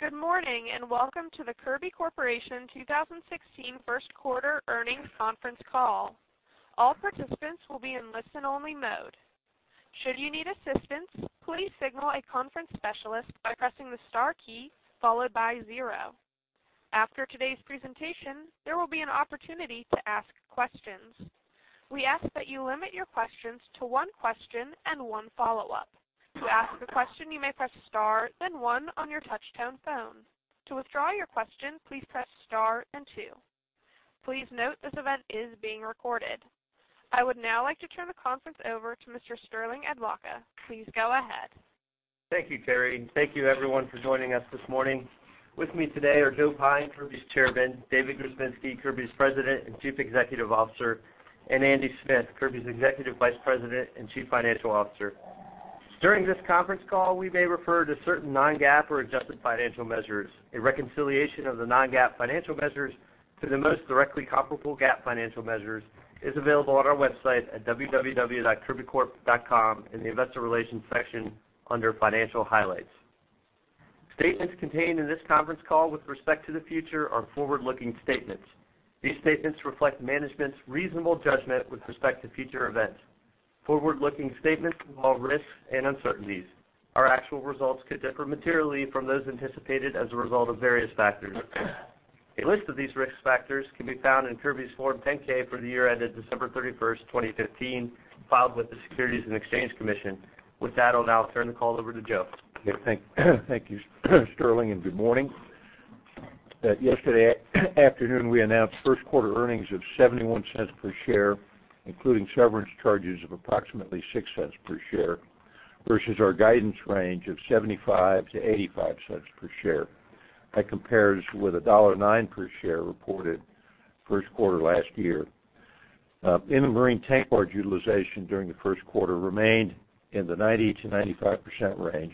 Good morning, and welcome to the Kirby Corporation 2016 first quarter earnings conference call. All participants will be in listen-only mode. Should you need assistance, please signal a conference specialist by pressing the star key followed by zero. After today's presentation, there will be an opportunity to ask questions. We ask that you limit your questions to one question and one follow-up. To ask a question, you may press star, then one on your touch-tone phone. To withdraw your question, please press star and two. Please note, this event is being recorded. I would now like to turn the conference over to Mr. Sterling Adlakha. Please go ahead. Thank you, Carrie, and thank you everyone for joining us this morning. With me today are Joe Pyne, Kirby's Chairman, David Grzebinski, Kirby's President and Chief Executive Officer, and Andy Smith, Kirby's Executive Vice President and Chief Financial Officer. During this conference call, we may refer to certain non-GAAP or adjusted financial measures. A reconciliation of the non-GAAP financial measures to the most directly comparable GAAP financial measures is available on our website at www.kirbycorp.com in the Investor Relations section under Financial Highlights. Statements contained in this conference call with respect to the future are forward-looking statements. These statements reflect management's reasonable judgment with respect to future events. Forward-looking statements involve risks and uncertainties. Our actual results could differ materially from those anticipated as a result of various factors. A list of these risk factors can be found in Kirby's Form 10-K for the year ended December 31st, 2015, filed with the Securities and Exchange Commission. With that, I'll now turn the call over to Joe. Okay, thank you, Sterling, and good morning. Yesterday afternoon, we announced first quarter earnings of $0.71 per share, including severance charges of approximately $0.06 per share, versus our guidance range of $0.75-$0.85 per share. That compares with $1.09 per share reported first quarter last year. In the marine tank barge utilization during the first quarter remained in the 90%-95% range.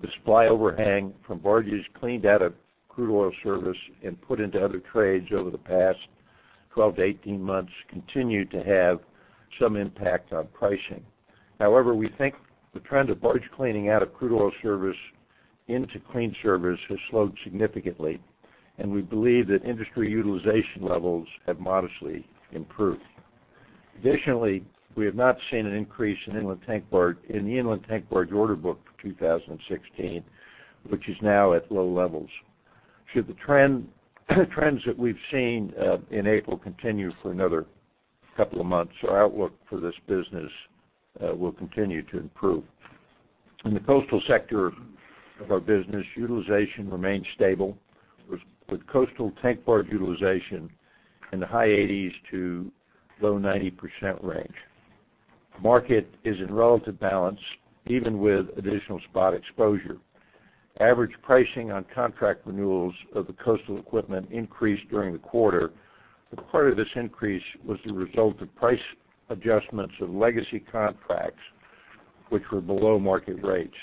The supply overhang from barges cleaned out of crude oil service and put into other trades over the past 12-18 months continued to have some impact on pricing. However, we think the trend of barge cleaning out of crude oil service into clean service has slowed significantly, and we believe that industry utilization levels have modestly improved. Additionally, we have not seen an increase in inland tank barge order book for 2016, which is now at low levels. Should the trends that we've seen in April continue for another couple of months, our outlook for this business will continue to improve. In the coastal sector of our business, utilization remained stable, with coastal tank barge utilization in the high 80s to low 90% range. The market is in relative balance, even with additional spot exposure. Average pricing on contract renewals of the coastal equipment increased during the quarter, but part of this increase was the result of price adjustments of legacy contracts, which were below market rates.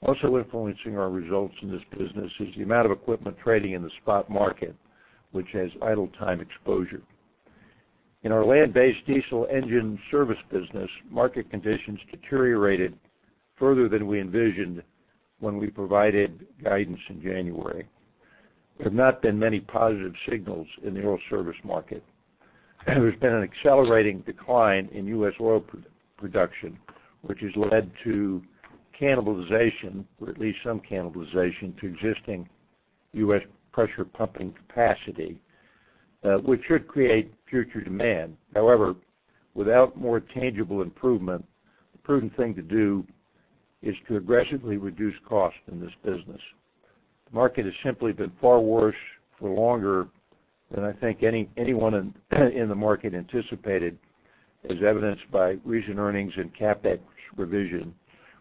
Also influencing our results in this business is the amount of equipment trading in the spot market, which has idle time exposure. In our land-based diesel engine service business, market conditions deteriorated further than we envisioned when we provided guidance in January. There have not been many positive signals in the oil service market. There's been an accelerating decline in U.S. oil production, which has led to cannibalization, or at least some cannibalization, to existing U.S. pressure pumping capacity, which should create future demand. However, without more tangible improvement, the prudent thing to do is to aggressively reduce costs in this business. The market has simply been far worse for longer than I think anyone in the market anticipated, as evidenced by recent earnings and CapEx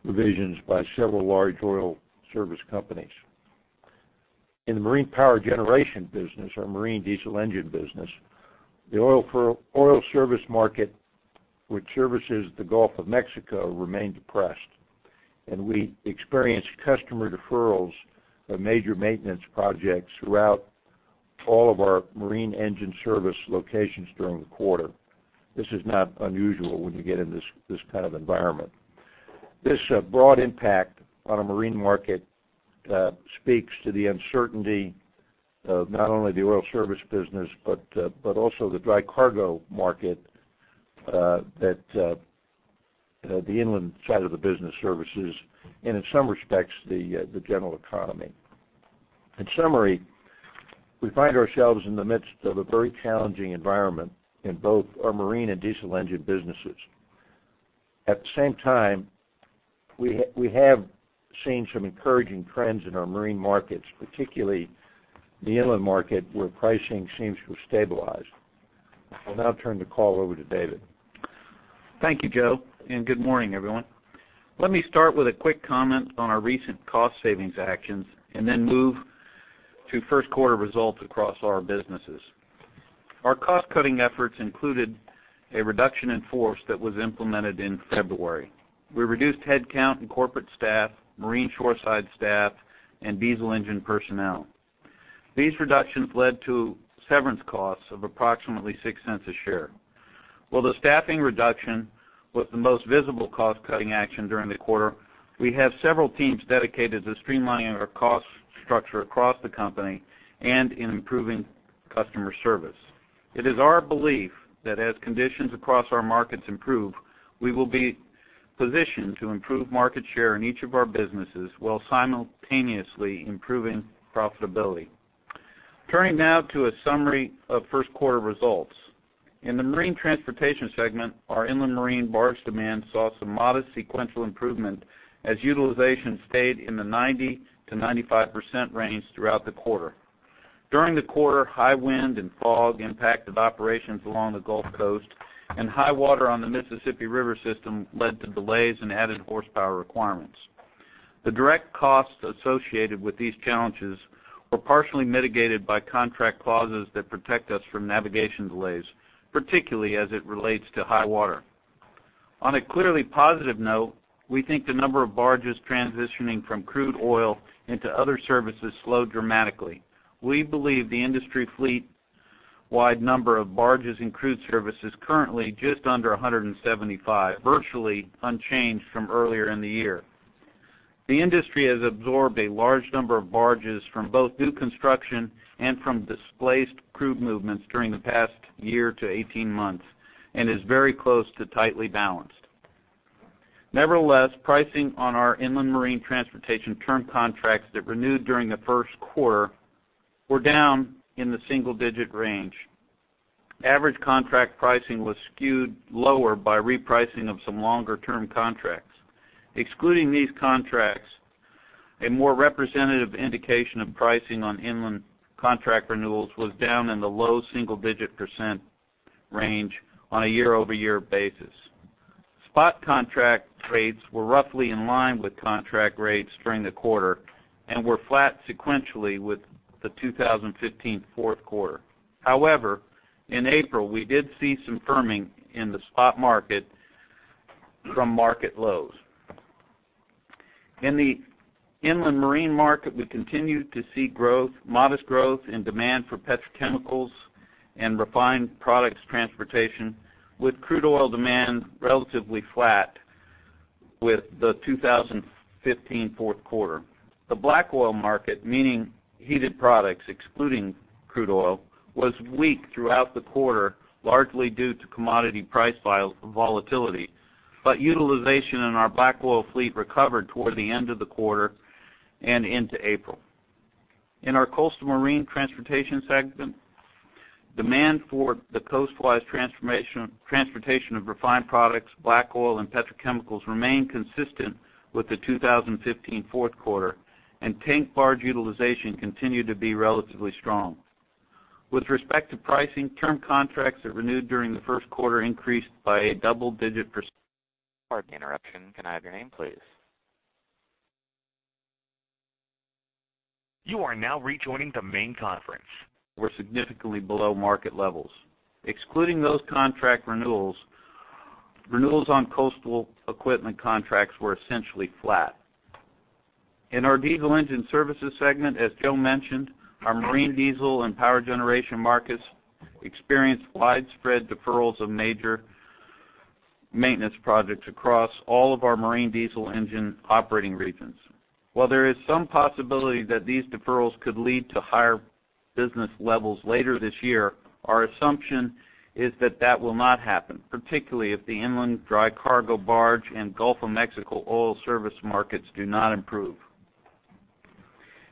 revisions by several large oil service companies. In the marine power generation business, our marine diesel engine business, the oilfield service market, which services the Gulf of Mexico, remained depressed, and we experienced customer deferrals of major maintenance projects throughout all of our marine engine service locations during the quarter. This is not unusual when you get in this kind of environment. This broad impact on a marine market speaks to the uncertainty of not only the oilfield service business, but also the dry cargo market that the inland side of the business services, and in some respects, the general economy. In summary, we find ourselves in the midst of a very challenging environment in both our marine and diesel engine businesses. At the same time, we have seen some encouraging trends in our marine markets, particularly the inland market, where pricing seems to have stabilized. I'll now turn the call over to David. Thank you, Joe, and good morning, everyone. Let me start with a quick comment on our recent cost savings actions and then move to first quarter results across our businesses. Our cost-cutting efforts included a reduction in force that was implemented in February. We reduced headcount in corporate staff, marine shoreside staff, and diesel engine personnel. These reductions led to severance costs of approximately $0.06 a share. While the staffing reduction was the most visible cost-cutting action during the quarter, we have several teams dedicated to streamlining our cost structure across the company and in improving customer service. It is our belief that as conditions across our markets improve, we will be positioned to improve market share in each of our businesses while simultaneously improving profitability. Turning now to a summary of first quarter results. In the Marine Transportation segment, our inland marine barge demand saw some modest sequential improvement as utilization stayed in the 90%-95% range throughout the quarter. During the quarter, high wind and fog impacted operations along the Gulf Coast, and high water on the Mississippi River system led to delays and added horsepower requirements. The direct costs associated with these challenges were partially mitigated by contract clauses that protect us from navigation delays, particularly as it relates to high water. On a clearly positive note, we think the number of barges transitioning from crude oil into other services slowed dramatically. We believe the industry fleet-wide number of barges in crude service is currently just under 175, virtually unchanged from earlier in the year. The industry has absorbed a large number of barges from both new construction and from displaced crude movements during the past year to 18 months, and is very close to tightly balanced. Nevertheless, pricing on our inland Marine Transportation term contracts that renewed during the first quarter were down in the single-digit range. Average contract pricing was skewed lower by repricing of some longer-term contracts. Excluding these contracts, a more representative indication of pricing on inland contract renewals was down in the low single-digit percent range on a year-over-year basis. Spot contract rates were roughly in line with contract rates during the quarter and were flat sequentially with the 2015 fourth quarter. However, in April, we did see some firming in the spot market from market lows. In the inland marine market, we continued to see growth, modest growth in demand for petrochemicals and refined products transportation, with crude oil demand relatively flat with the 2015 fourth quarter. The black oil market, meaning heated products, excluding crude oil, was weak throughout the quarter, largely due to commodity price volatility, but utilization in our black oil fleet recovered toward the end of the quarter and into April. In our Coastal Marine Transportation segment, demand for the coastwise transportation of refined products, black oil, and petrochemicals remained consistent with the 2015 fourth quarter, and tank barge utilization continued to be relatively strong. With respect to pricing, term contracts that renewed during the first quarter increased by a double-digit percent. Pardon the interruption. Can I have your name, please? You are now rejoining the main conference. Were significantly below market levels. Excluding those contract renewals, renewals on coastal equipment contracts were essentially flat. In our Diesel Engine Services segment, as Joe mentioned, our marine diesel and power generation markets experienced widespread deferrals of major maintenance projects across all of our marine diesel engine operating regions. While there is some possibility that these deferrals could lead to higher business levels later this year, our assumption is that that will not happen, particularly if the inland dry cargo barge and Gulf of Mexico oil service markets do not improve.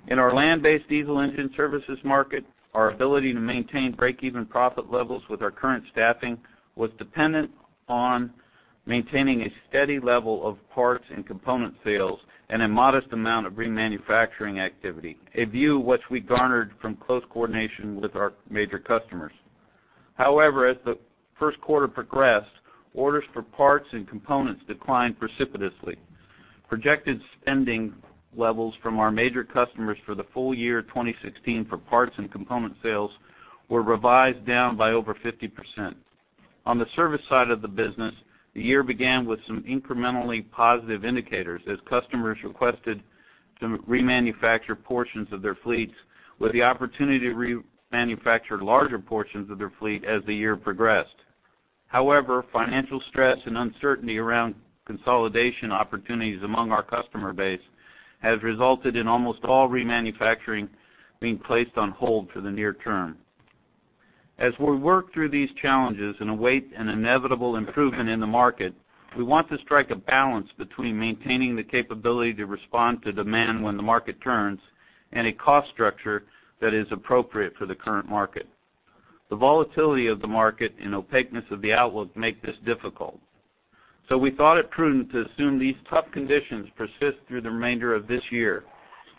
In our land-based diesel engine services market, our ability to maintain breakeven profit levels with our current staffing was dependent on maintaining a steady level of parts and component sales and a modest amount of remanufacturing activity, a view which we garnered from close coordination with our major customers. However, as the first quarter progressed, orders for parts and components declined precipitously. Projected spending levels from our major customers for the full year 2016 for parts and component sales were revised down by over 50%. On the service side of the business, the year began with some incrementally positive indicators as customers requested to remanufacture portions of their fleets, with the opportunity to remanufacture larger portions of their fleet as the year progressed. However, financial stress and uncertainty around consolidation opportunities among our customer base has resulted in almost all remanufacturing being placed on hold for the near term. As we work through these challenges and await an inevitable improvement in the market, we want to strike a balance between maintaining the capability to respond to demand when the market turns and a cost structure that is appropriate for the current market. The volatility of the market and opaqueness of the outlook make this difficult. So we thought it prudent to assume these tough conditions persist through the remainder of this year,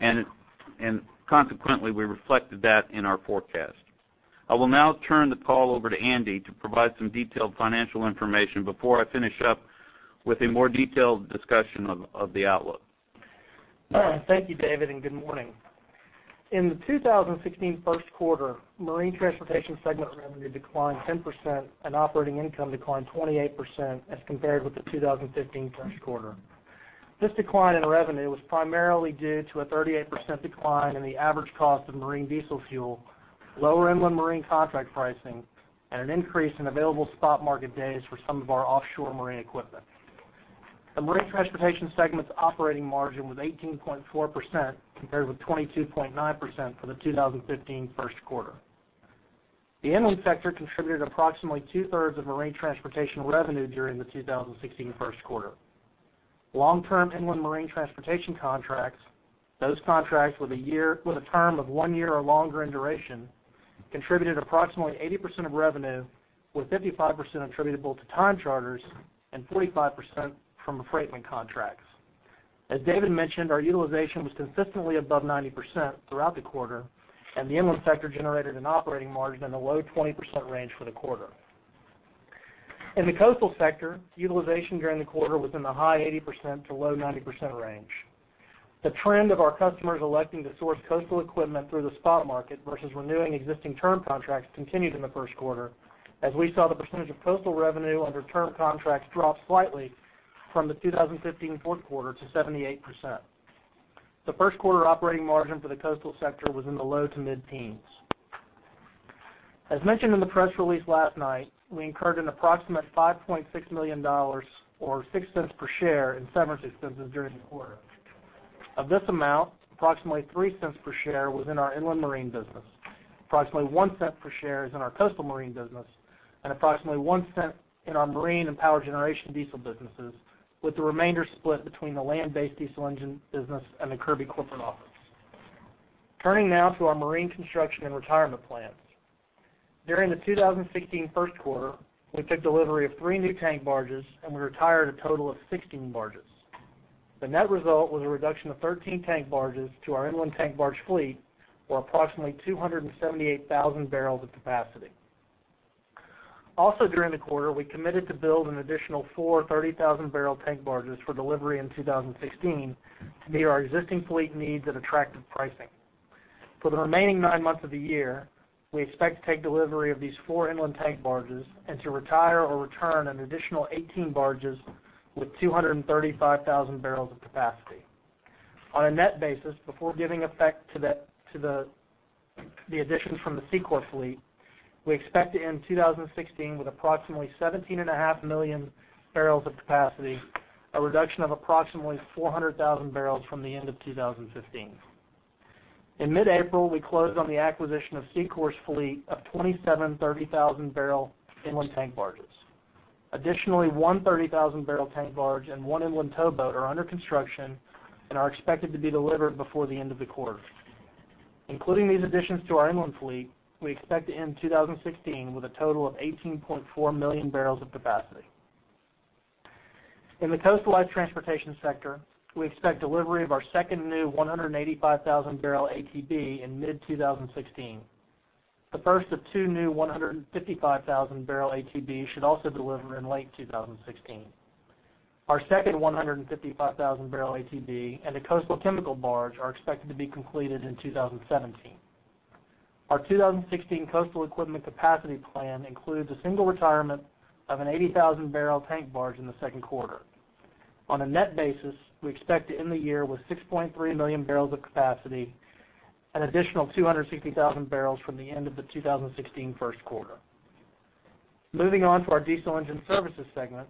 and consequently, we reflected that in our forecast. I will now turn the call over to Andy to provide some detailed financial information before I finish up with a more detailed discussion of the outlook. Thank you, David, and good morning. In the 2016 first quarter, Marine Transportation segment revenue declined 10%, and operating income declined 28% as compared with the 2015 first quarter. This decline in revenue was primarily due to a 38% decline in the average cost of marine diesel fuel, lower inland marine contract pricing, and an increase in available spot market days for some of our offshore marine equipment. The Marine Transportation segment's operating margin was 18.4%, compared with 22.9% for the 2015 first quarter. The inland sector contributed approximately 2/3 of Marine Transportation revenue during the 2016 first quarter. Long-term inland Marine Transportation contracts, those contracts with a term of one year or longer in duration, contributed approximately 80% of revenue, with 55% attributable to time charters and 45% from the affreightment contracts. As David mentioned, our utilization was consistently above 90% throughout the quarter, and the inland sector generated an operating margin in the low 20% range for the quarter. In the coastal sector, utilization during the quarter was in the high 80%-low 90% range. The trend of our customers electing to source coastal equipment through the spot market versus renewing existing term contracts continued in the first quarter, as we saw the percentage of coastal revenue under term contracts drop slightly from the 2015 fourth quarter to 78%. The first quarter operating margin for the coastal sector was in the low to mid-teens. As mentioned in the press release last night, we incurred an approximate $5.6 million or $0.06 per share in severance expenses during the quarter. Of this amount, approximately $0.03 per share was in our inland marine business, approximately $0.01 per share is in our coastal marine business, and approximately $0.01 in our marine and power generation diesel businesses, with the remainder split between the land-based diesel engine business and the Kirby corporate office. Turning now to our marine construction and retirement plans. During the 2016 first quarter, we took delivery of three new tank barges, and we retired a total of 16 barges. The net result was a reduction of 13 tank barges to our inland tank barge fleet, or approximately 278,000 barrels of capacity. Also, during the quarter, we committed to build an additional four 30,000-barrel tank barges for delivery in 2016 to meet our existing fleet needs at attractive pricing. For the remaining 9 months of the year, we expect to take delivery of these four inland tank barges and to retire or return an additional 18 barges with 235,000 barrels of capacity. On a net basis, before giving effect to the additions from the SEACOR fleet, we expect to end 2016 with approximately 17.5 million barrels of capacity, a reduction of approximately 400,000 barrels from the end of 2015. In mid-April, we closed on the acquisition of SEACOR's fleet of 27 30,000-barrel inland tank barges. Additionally, a 130,000-barrel tank barge and one inland towboat are under construction and are expected to be delivered before the end of the quarter. Including these additions to our inland fleet, we expect to end 2016 with a total of 18.4 million barrels of capacity. In the coastal Marine Transportation sector, we expect delivery of our second new 185,000-barrel ATB in mid-2016. The first of two new 155,000-barrel ATBs should also deliver in late 2016. Our second 155,000-barrel ATB and a coastal chemical barge are expected to be completed in 2017. Our 2016 coastal equipment capacity plan includes a single retirement of an 80,000-barrel tank barge in the second quarter. On a net basis, we expect to end the year with 6.3 million barrels of capacity, an additional 260,000 barrels from the end of the 2016 first quarter. Moving on to our Diesel Engine Services segment,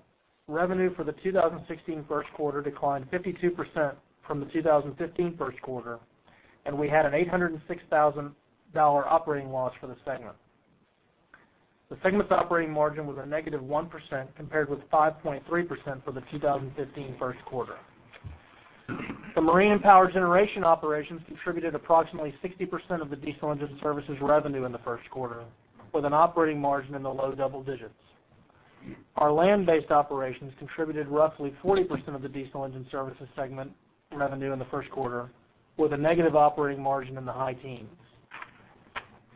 revenue for the 2016 first quarter declined 52% from the 2015 first quarter, and we had an $806,000 operating loss for the segment. The segment's operating margin was a -1%, compared with 5.3% for the 2015 first quarter. The marine power generation operations contributed approximately 60% of the diesel engine services revenue in the first quarter, with an operating margin in the low double digits. Our land-based operations contributed roughly 40% of the Diesel Engine Services segment revenue in the first quarter, with a negative operating margin in the high teens.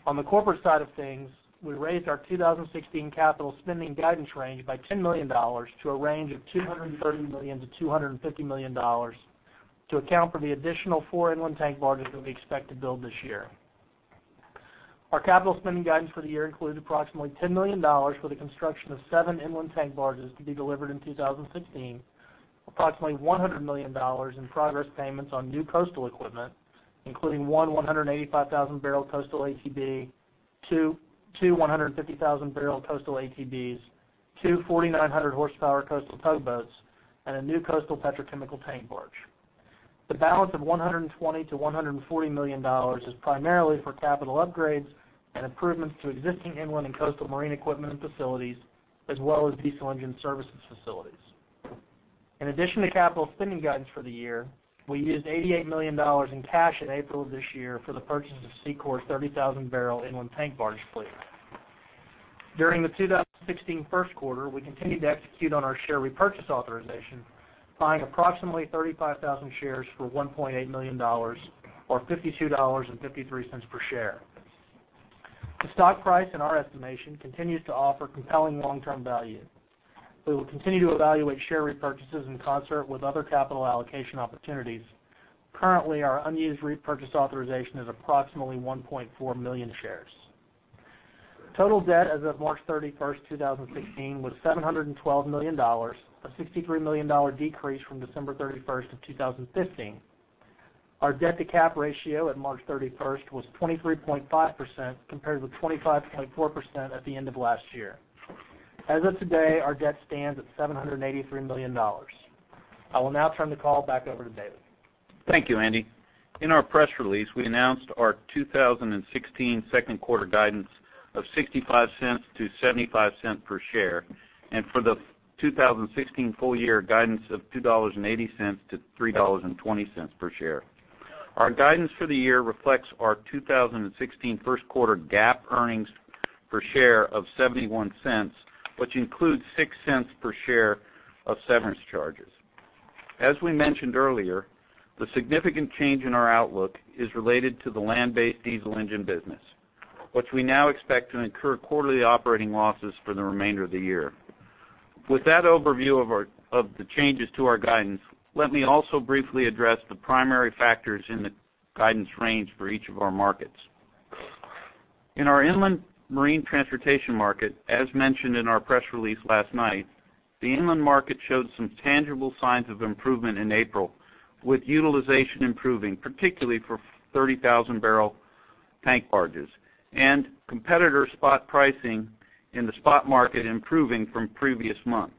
On the corporate side of things, we raised our 2016 capital spending guidance range by $10 million to a range of $230 million-$250 million, to account for the additional four inland tank barges that we expect to build this year. Our capital spending guidance for the year includes approximately $10 million for the construction of seven inland tank barges to be delivered in 2016, approximately $100 million in progress payments on new coastal equipment, including one 185,000-barrel coastal ATB, two 250,000-barrel coastal ATBs, two 4,900-hp coastal towboats, and a new coastal petrochemical tank barge. The balance of $120 million-$140 million is primarily for capital upgrades and improvements to existing inland and coastal marine equipment and facilities, as well as diesel engine services facilities. In addition to capital spending guidance for the year, we used $88 million in cash in April of this year for the purchase of SEACOR's 30,000-barrel inland tank barge fleet. During the 2016 first quarter, we continued to execute on our share repurchase authorization, buying approximately 35,000 shares for $1.8 million or $52.53 per share. The stock price, in our estimation, continues to offer compelling long-term value. We will continue to evaluate share repurchases in concert with other capital allocation opportunities. Currently, our unused repurchase authorization is approximately 1.4 million shares. Total debt as of March 31st, 2016, was $712 million, a $63 million decrease from December 31st of 2015. Our debt-to-cap ratio at March 31st was 23.5%, compared with 25.4% at the end of last year. As of today, our debt stands at $783 million. I will now turn the call back over to David. Thank you, Andy. In our press release, we announced our 2016 second quarter guidance of $0.65-$0.75 per share, and for the 2016 full-year guidance of $2.80-$3.20 per share. Our guidance for the year reflects our 2016 first quarter GAAP earnings per share of $0.71, which includes $0.06 per share of severance charges. As we mentioned earlier, the significant change in our outlook is related to the land-based diesel engine business, which we now expect to incur quarterly operating losses for the remainder of the year. With that overview of the changes to our guidance, let me also briefly address the primary factors in the guidance range for each of our markets. In our inland marine transportation market, as mentioned in our press release last night, the inland market showed some tangible signs of improvement in April, with utilization improving, particularly for 30,000-barrel tank barges, and competitor spot pricing in the spot market improving from previous month.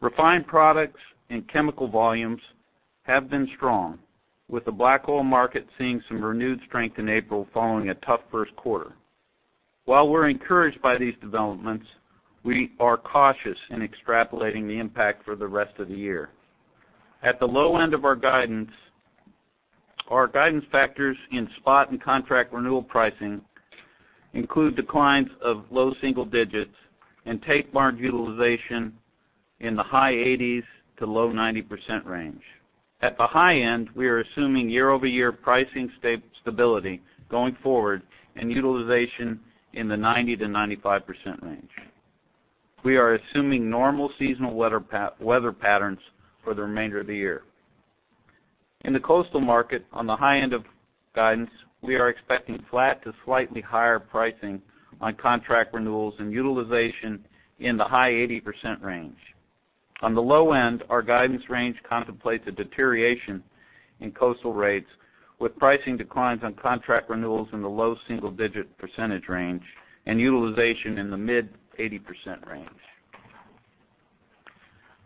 Refined products and chemical volumes have been strong, with the black oil market seeing some renewed strength in April following a tough first quarter. While we're encouraged by these developments, we are cautious in extrapolating the impact for the rest of the year. At the low end of our guidance, our guidance factors in spot and contract renewal pricing include declines of low single digits and tank barge utilization in the high 80s to low 90s percent range. At the high end, we are assuming year-over-year pricing stability going forward and utilization in the 90%-95% range. We are assuming normal seasonal weather patterns for the remainder of the year. In the coastal market, on the high end of guidance, we are expecting flat to slightly higher pricing on contract renewals and utilization in the high 80% range. On the low end, our guidance range contemplates a deterioration in coastal rates, with pricing declines on contract renewals in the low single-digit % range and utilization in the mid-80% range.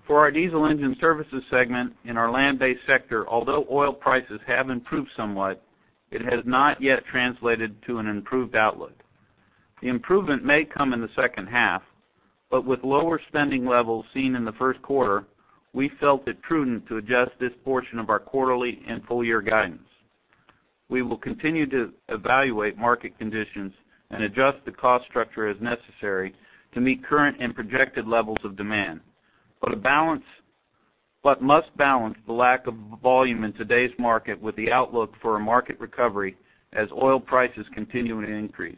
For our Diesel Engine Services segment in our land-based sector, although oil prices have improved somewhat, it has not yet translated to an improved outlook. The improvement may come in the second half, but with lower spending levels seen in the first quarter, we felt it prudent to adjust this portion of our quarterly and full-year guidance. We will continue to evaluate market conditions and adjust the cost structure as necessary to meet current and projected levels of demand, but must balance the lack of volume in today's market with the outlook for a market recovery as oil prices continue to increase.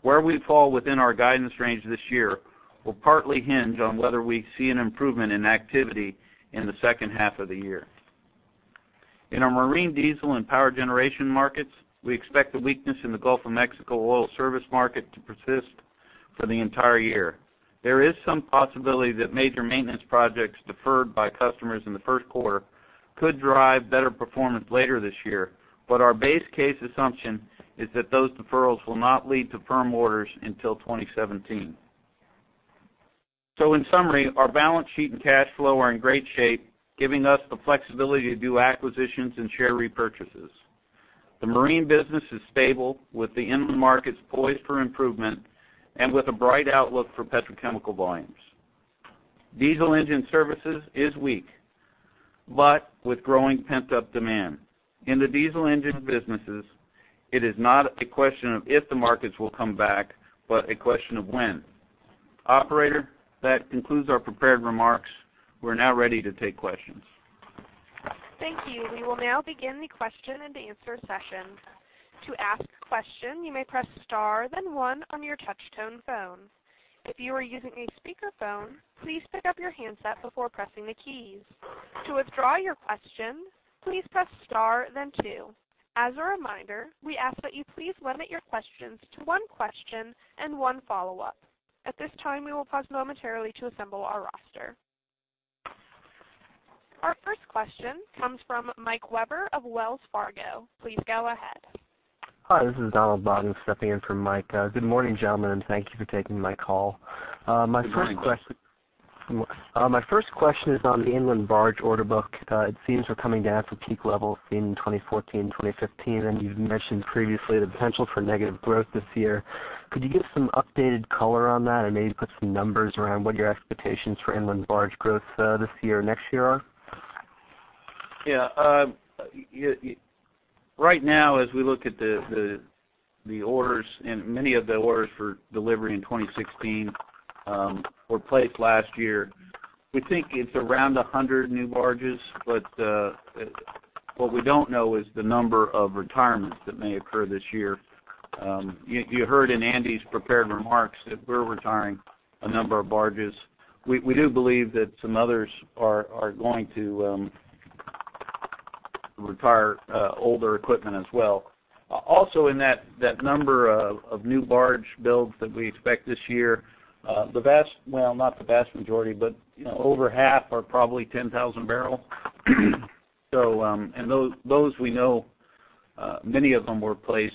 Where we fall within our guidance range this year will partly hinge on whether we see an improvement in activity in the second half of the year. In our marine diesel and power generation markets, we expect the weakness in the Gulf of Mexico oil service market to persist for the entire year. There is some possibility that major maintenance projects deferred by customers in the first quarter could drive better performance later this year, but our base case assumption is that those deferrals will not lead to firm orders until 2017. So in summary, our balance sheet and cash flow are in great shape, giving us the flexibility to do acquisitions and share repurchases. The marine business is stable, with the inland markets poised for improvement and with a bright outlook for petrochemical volumes. Diesel Engine Services is weak, but with growing pent-up demand. In the diesel engine businesses, it is not a question of if the markets will come back, but a question of when. Operator, that concludes our prepared remarks. We're now ready to take questions. Thank you. We will now begin the question and answer session. To ask a question, you may press star then one on your touch-tone phone. If you are using a speakerphone, please pick up your handset before pressing the keys. To withdraw your question, please press star then two. As a reminder, we ask that you please limit your questions to one question and one follow-up. At this time, we will pause momentarily to assemble our roster. Our first question comes from Mike Webber of Wells Fargo. Please go ahead. Hi, this is Donald Bogden stepping in for Mike. Good morning, gentlemen, and thank you for taking my call. Good morning. My first question is on the inland barge order book. It seems we're coming down from peak levels in 2014 and 2015, and you've mentioned previously the potential for negative growth this year. Could you give some updated color on that and maybe put some numbers around what your expectations for inland barge growth this year or next year are? Yeah, right now, as we look at the orders, and many of the orders for delivery in 2016 were placed last year, we think it's around 100 new barges, but what we don't know is the number of retirements that may occur this year. You heard in Andy's prepared remarks that we're retiring a number of barges. We do believe that some others are going to retire older equipment as well. Also in that number of new barge builds that we expect this year, the vast, well, not the vast majority, but you know, over half are probably 10,000-barrel. So, and those we know, many of them were placed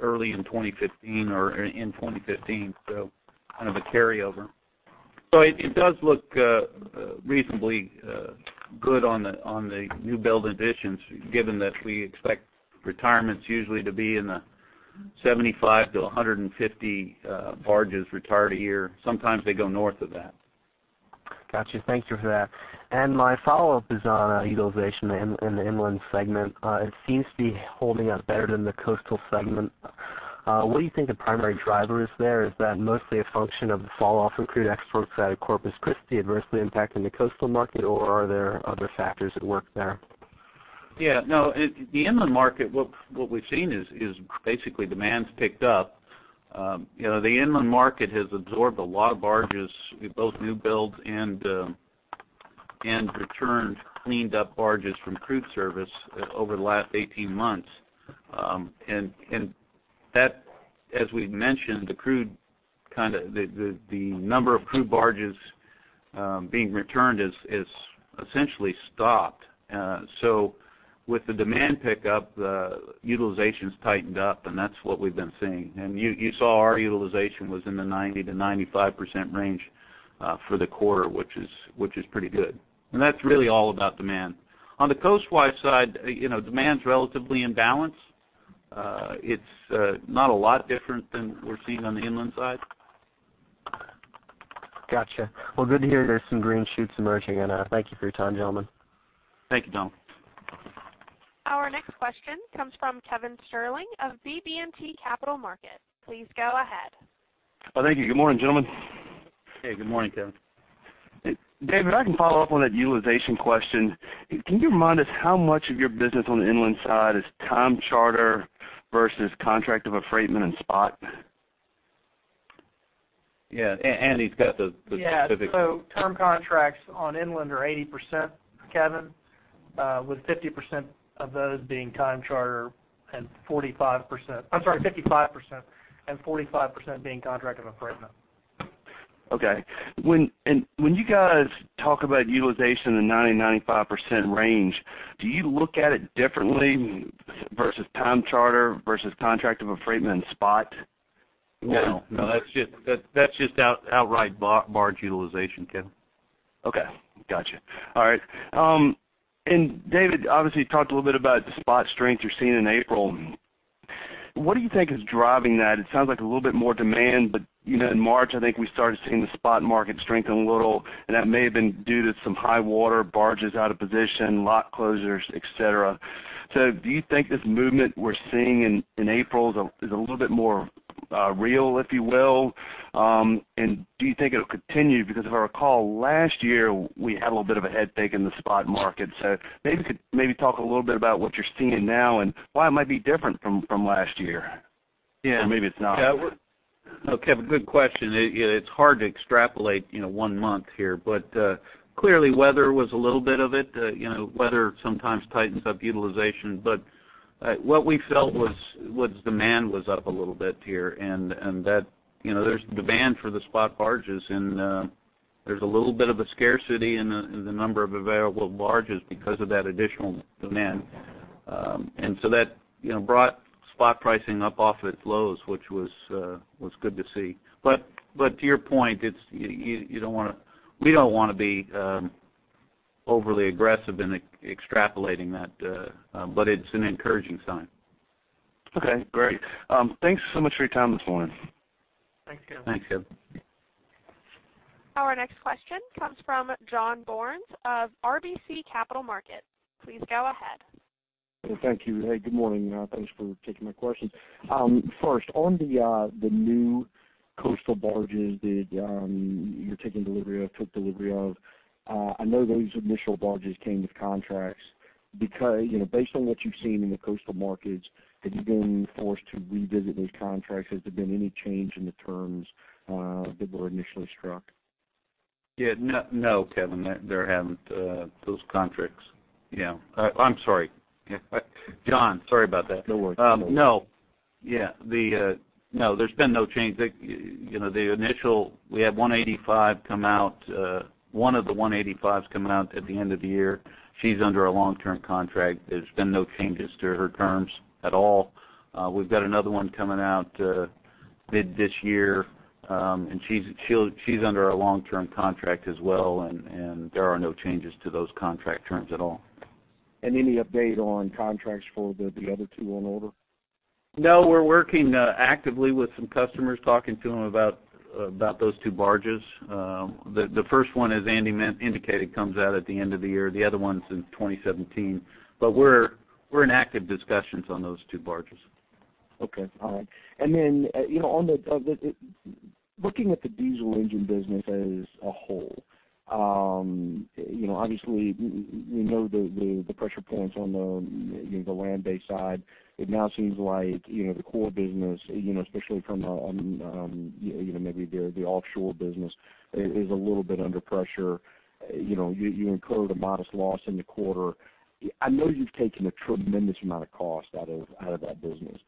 early in 2015 or in 2015, so kind of a carryover. It does look reasonably good on the new build additions, given that we expect retirements usually to be in the 75-150 barges retired a year. Sometimes they go north of that. Got you. Thank you for that. My follow-up is on utilization in the inland segment. It seems to be holding up better than the coastal segment. What do you think the primary driver is there? Is that mostly a function of the falloff in crude exports out of Corpus Christi adversely impacting the coastal market, or are there other factors at work there? Yeah. No, it—the inland market, what we've seen is basically demand's picked up. You know, the inland market has absorbed a lot of barges, with both new builds and returned cleaned up barges from crude service over the last 18 months. And that, as we've mentioned, the crude kind of—the number of crude barges being returned has essentially stopped. So with the demand pickup, the utilization's tightened up, and that's what we've been seeing. And you saw our utilization was in the 90%-95% range for the quarter, which is pretty good. And that's really all about demand. On the coastwise side, you know, demand's relatively in balance. It's not a lot different than we're seeing on the inland side. Gotcha. Well, good to hear there's some green shoots emerging, and thank you for your time, gentlemen. Thank you, Donald. Our next question comes from Kevin Sterling of BB&T Capital Markets. Please go ahead. Oh, thank you. Good morning, gentlemen. Hey, good morning, Kevin. David, if I can follow up on that utilization question, can you remind us how much of your business on the inland side is time charter versus contract of affreightment and spot? Yeah, he's got the specific— Yeah, so term contracts on inland are 80%, Kevin, with 50% of those being time charter and 45%—I'm sorry, 55% and 45% being contract of affreightment. Okay. When you guys talk about utilization in the 90%-95% range, do you look at it differently versus time charter versus contract of affreightment and spot? No, no, that's just outright barge utilization, Kevin. Okay. Gotcha. All right. And David, obviously, you talked a little bit about the spot strength you're seeing in April. What do you think is driving that? It sounds like a little bit more demand, but, you know, in March, I think we started seeing the spot market strengthen a little, and that may have been due to some high water, barges out of position, lock closures, et cetera. So do you think this movement we're seeing in April is a little bit more real, if you will? And do you think it'll continue? Because if I recall, last year, we had a little bit of a head fake in the spot market. So maybe talk a little bit about what you're seeing now and why it might be different from last year. Yeah. Or maybe it's not. Yeah, we're okay, Kevin, good question. It's hard to extrapolate, you know, one month here, but clearly, weather was a little bit of it. You know, weather sometimes tightens up utilization. But what we felt was demand was up a little bit here, and that, you know, there's demand for the spot barges and there's a little bit of a scarcity in the number of available barges because of that additional demand. And so that, you know, brought spot pricing up off its lows, which was good to see. But to your point, it's you don't wanna we don't wanna be overly aggressive in extrapolating that, but it's an encouraging sign. Okay, great. Thanks so much for your time this morning. Thanks, Kevin. Thanks, Kevin. Our next question comes from John Barnes of RBC Capital Markets. Please go ahead. Thank you. Hey, good morning. Thanks for taking my questions. First, on the new coastal barges that you're taking delivery of, took delivery of, I know those initial barges came with contracts. Because, you know, based on what you've seen in the coastal markets, have you been forced to revisit those contracts? Has there been any change in the terms that were initially struck? Yeah. No, no, Kevin, there haven't, those contracts, yeah. I'm sorry. Yeah, John, sorry about that. No worries. No. Yeah, the—no, there's been no change. You know, the initial, we had 185 come out, one of the 185s coming out at the end of the year. She's under a long-term contract. There's been no changes to her terms at all. We've got another one coming out mid this year, and she's under a long-term contract as well, and there are no changes to those contract terms at all. Any update on contracts for the other two on order? No, we're working actively with some customers, talking to them about about those two barges. The first one, as Andy mentioned, comes out at the end of the year. The other one's in 2017. But we're in active discussions on those two barges. Okay. All right. And then, you know, on the diesel engine business as a whole, you know, obviously, we know the pressure points on the land-based side. It now seems like, you know, the core business, you know, especially from, you know, maybe the offshore business, is a little bit under pressure. You know, you incurred a modest loss in the quarter. I know you've taken a tremendous amount of cost out of that business.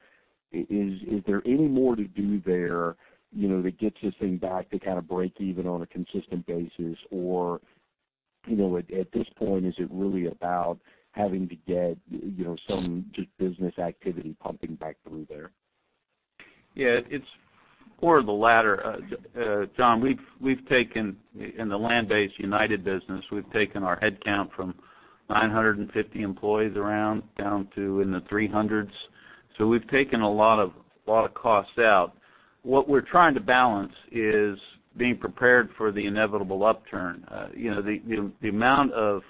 Is there any more to do there, you know, that gets this thing back to kind of break even on a consistent basis? Or, you know, at this point, is it really about having to get, you know, some just business activity pumping back through there? Yeah, it's more of the latter, John. We've taken, in the land-based United business, our headcount from 950 employees around, down to in the 300s. So we've taken a lot of costs out. What we're trying to balance is being prepared for the inevitable upturn. You know, the amount of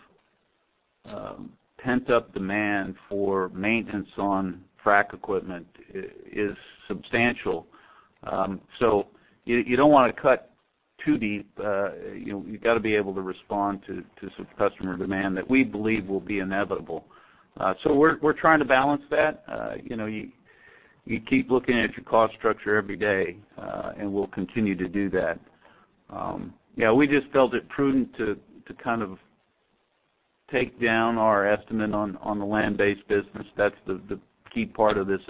pent-up demand for maintenance on frac equipment is substantial. So you don't wanna cut too deep. You know, you've got to be able to respond to some customer demand that we believe will be inevitable. So we're trying to balance that. You know, you keep looking at your cost structure every day, and we'll continue to do that. Yeah, we just felt it prudent to kind of take down our estimate on the land-based business. That's the key part of this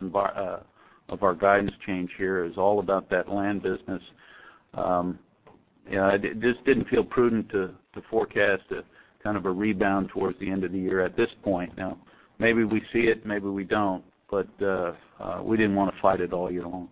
of our guidance change here, is all about that land business. You know, it just didn't feel prudent to forecast a kind of a rebound towards the end of the year at this point. Now, maybe we see it, maybe we don't. But we didn't wanna fight it all year long.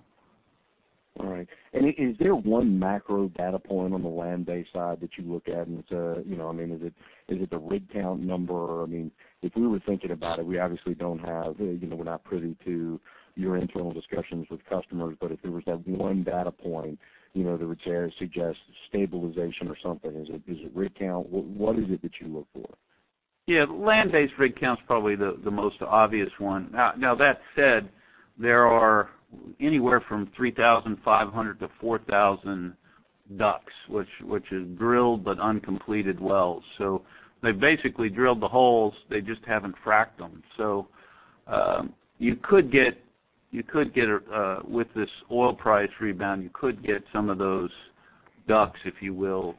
All right. And is there one macro data point on the land-based side that you look at, and it's, you know, I mean, is it, is it the rig count number? I mean, if we were thinking about it, we obviously don't have, you know, we're not privy to your internal discussions with customers. But if there was that one data point, you know, that would suggest stabilization or something, is it, is it rig count? What, what is it that you look for? Yeah, land-based rig count is probably the most obvious one. Now that said, there are anywhere from 3,500 to 4,000 DUCs, which is drilled but uncompleted wells. So they basically drilled the holes, they just haven't fracked them. So, with this oil price rebound, you could get some of those DUCs, if you will.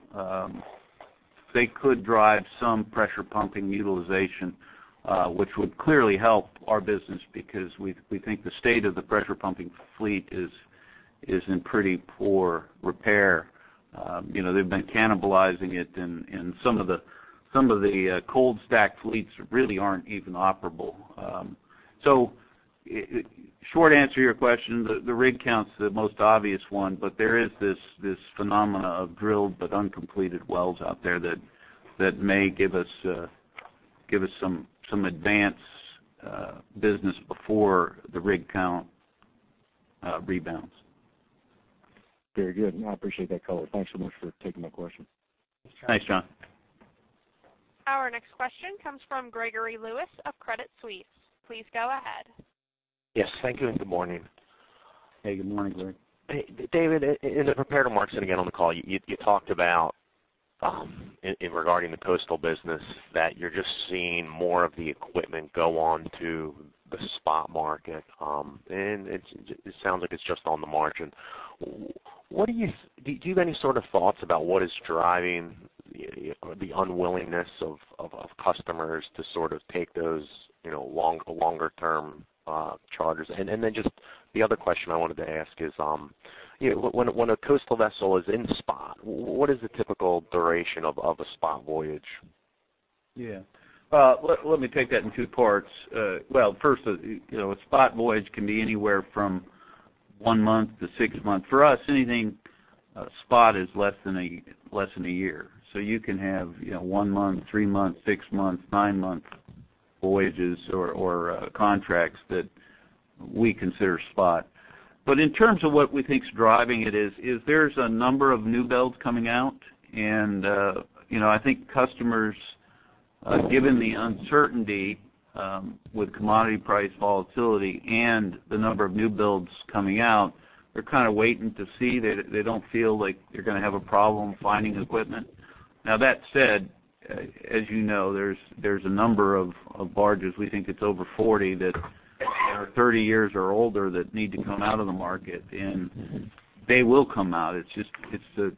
They could drive some pressure pumping utilization, which would clearly help our business because we think the state of the pressure pumping fleet is in pretty poor repair. You know, they've been cannibalizing it in some of the cold stack fleets really aren't even operable. So, short answer to your question, the rig count's the most obvious one, but there is this phenomenon of drilled but uncompleted wells out there that may give us some advance business before the rig count rebounds. Very good. I appreciate that color. Thanks so much for taking my question. Thanks, John. Our next question comes from Gregory Lewis of Credit Suisse. Please go ahead. Yes, thank you, and good morning. Hey, good morning, Greg. Hey, David, in the prepared remarks, and again, on the call, you talked about, in regarding the coastal business, that you're just seeing more of the equipment go on to the spot market. And it sounds like it's just on the margin. What do you—do you have any sort of thoughts about what is driving the unwillingness of customers to sort of take those, you know, longer term, charges? And then just the other question I wanted to ask is, you know, when a coastal vessel is in spot, what is the typical duration of a spot voyage? Yeah. Let me take that in two parts. Well, first, you know, a spot voyage can be anywhere from 1 month to 6 months. For us, anything spot is less than a year. So you can have, you know, 1 month, 3 months, 6 months, 9-month voyages or contracts that we consider spot. But in terms of what we think is driving it is there's a number of newbuilds coming out, and, you know, I think customers given the uncertainty with commodity price volatility and the number of newbuilds coming out, they're kind of waiting to see. They don't feel like they're gonna have a problem finding equipment. Now, that said, as you know, there's a number of barges, we think it's over 40, that are 30 years or older, that need to come out of the market, and they will come out. It's just,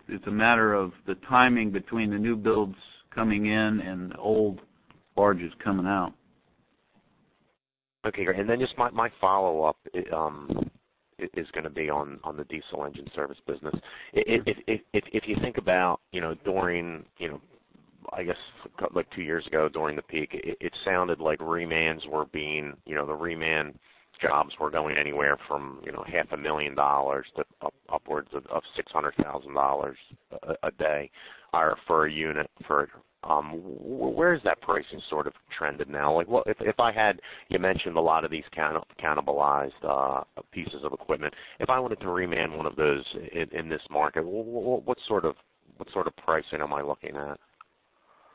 it's a matter of the timing between the newbuilds coming in and the old barges coming out. Okay, great. And then just my follow-up is gonna be on the diesel engine service business. If you think about, you know, during, you know, I guess, like two years ago, during the peak, it sounded like remans were being, you know, the reman jobs were going anywhere from, you know, $500,000 to upwards of $600,000 a day for a unit for—where is that pricing sort of trended now? Like, what if I had, you mentioned a lot of these cannibalized pieces of equipment. If I wanted to reman one of those in this market, what sort of pricing am I looking at?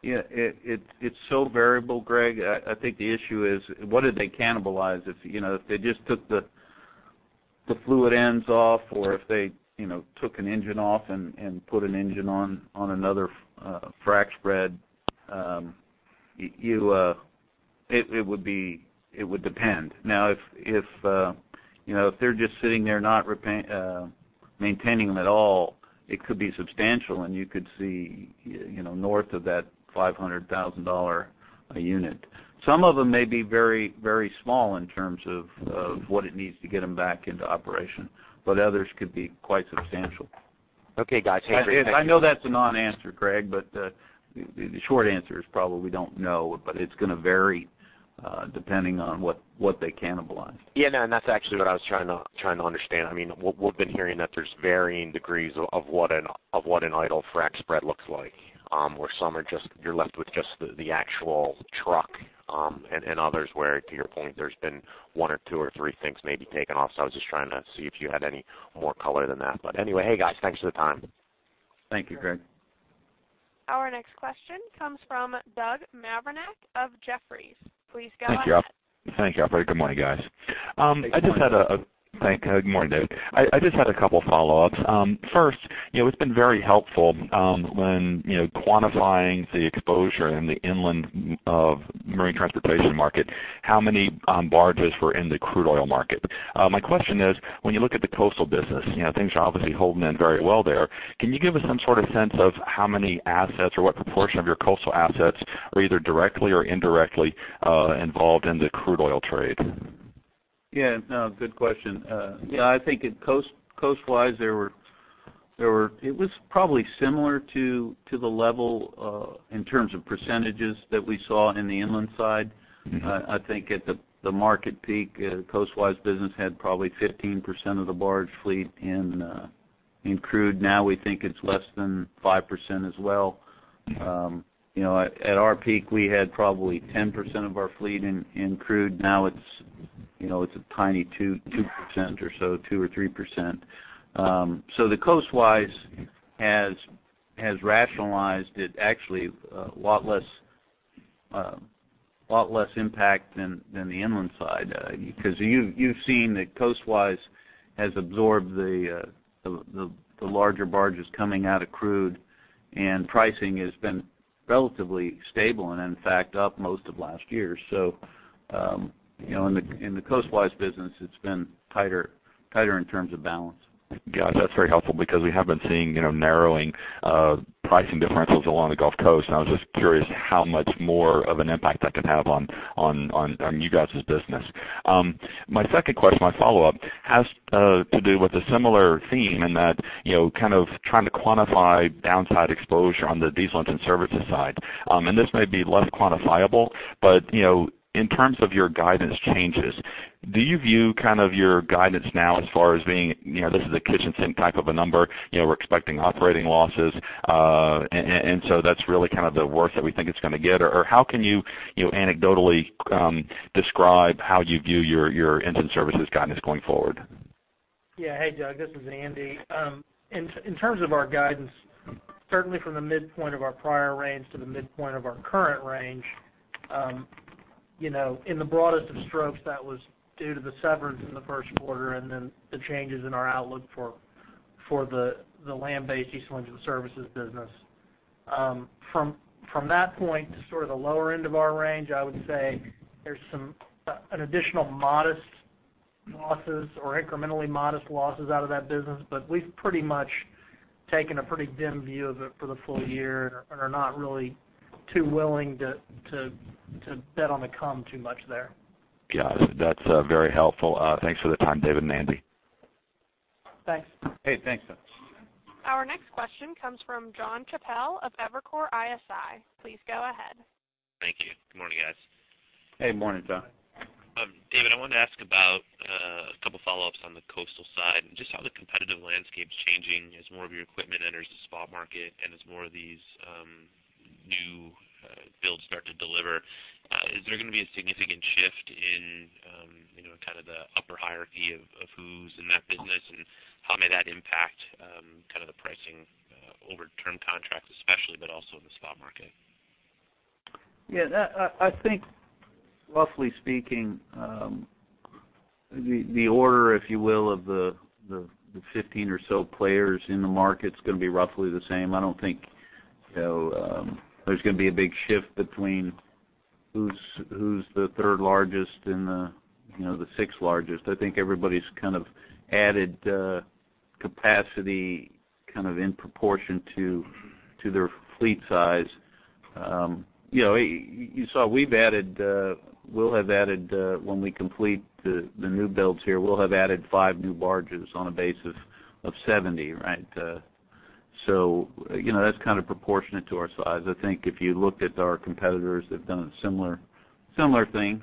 Yeah, it's so variable, Greg. I think the issue is, what did they cannibalize? If, you know, if they just took the fluid ends off, or if they, you know, took an engine off and put an engine on another frac spread, it would be—it would depend. Now, if, you know, if they're just sitting there, not maintaining them at all, it could be substantial, and you could see, you know, north of that $500,000 a unit. Some of them may be very small in terms of what it needs to get them back into operation, but others could be quite substantial. Okay, guys. I know that's a non-answer, Greg, but the short answer is probably we don't know, but it's gonna vary depending on what they cannibalize. Yeah, no, and that's actually what I was trying to understand. I mean, we've been hearing that there's varying degrees of what an idle frac spread looks like, where some are just—you're left with just the actual truck, and others where, to your point, there's been one or two or three things maybe taken off. So I was just trying to see if you had any more color than that. But anyway, hey, guys, thanks for the time. Thank you, Greg. Our next question comes from Doug Mavrinac of Jefferies. Please go ahead. Thank you. Thank you. Good morning, guys. Good morning, Doug. I just had a couple follow-ups. First, you know, it's been very helpful, when, you know, quantifying the exposure in the inland Marine Transportation market, how many barges were in the crude oil market? My question is, when you look at the coastal business, you know, things are obviously holding in very well there. Can you give us some sort of sense of how many assets or what proportion of your coastal assets are either directly or indirectly involved in the crude oil trade? Yeah, no, good question. Yeah, I think in coastal, coastwise, there were—it was probably similar to the level in terms of percentages that we saw in the inland side. I think at the market peak, coastwise business had probably 15% of the barge fleet in crude. Now, we think it's less than 5% as well. You know, at our peak, we had probably 10% of our fleet in crude. Now it's, you know, it's a tiny 2% or so, 2% or 3%. So the coastwise has rationalized it actually, a lot less impact than the inland side. Because you've seen that coastwise has absorbed the larger barges coming out of crude, and pricing has been relatively stable, and in fact, up most of last year. So, you know, in the coastwise business, it's been tighter in terms of balance. Got it. That's very helpful because we have been seeing, you know, narrowing pricing differentials along the Gulf Coast, and I was just curious how much more of an impact that could have on you guys' business. My second question, my follow-up, has to do with a similar theme in that, you know, kind of trying to quantify downside exposure on the diesel engine services side. And this may be less quantifiable, but, you know, in terms of your guidance changes, do you view kind of your guidance now as far as being, you know, this is a kitchen sink type of a number? You know, we're expecting operating losses, and so that's really kind of the worst that we think it's gonna get. Or how can you, you know, anecdotally, describe how you view your Engine Services guidance going forward? Yeah. Hey, Doug, this is Andy. In terms of our guidance, certainly from the midpoint of our prior range to the midpoint of our current range, you know, in the broadest of strokes, that was due to the severance in the first quarter and then the changes in our outlook for the land-based diesel engine services business. From that point to sort of the lower end of our range, I would say there's an additional modest losses or incrementally modest losses out of that business. But we've pretty much taken a pretty dim view of it for the full year and are not really too willing to bet on the come too much there. Got it. That's very helpful. Thanks for the time, David and Andy. Thanks. Hey, thanks, Doug. Our next question comes from Jonathan Chappell of Evercore ISI. Please go ahead. Thank you. Good morning, guys. Hey, morning, Jon. David, I wanted to ask about a couple follow-ups on the coastal side, and just how the competitive landscape is changing as more of your equipment enters the spot market and as more of these new builds start to deliver. Is there gonna be a significant shift in you know, kind of the upper hierarchy of who's in that business, and how may that impact kind of the pricing over term contracts especially, but also in the spot market? Yeah, that—I think roughly speaking, the order, if you will, of the 15 or so players in the market is gonna be roughly the same. I don't think, you know, there's gonna be a big shift between who's the third largest and the, you know, the sixth largest. I think everybody's kind of added capacity, kind of in proportion to their fleet size. You know, you saw we've added—we'll have added, when we complete the new builds here, we'll have added five new barges on a base of 70, right? So, you know, that's kind of proportionate to our size. I think if you looked at our competitors, they've done similar things.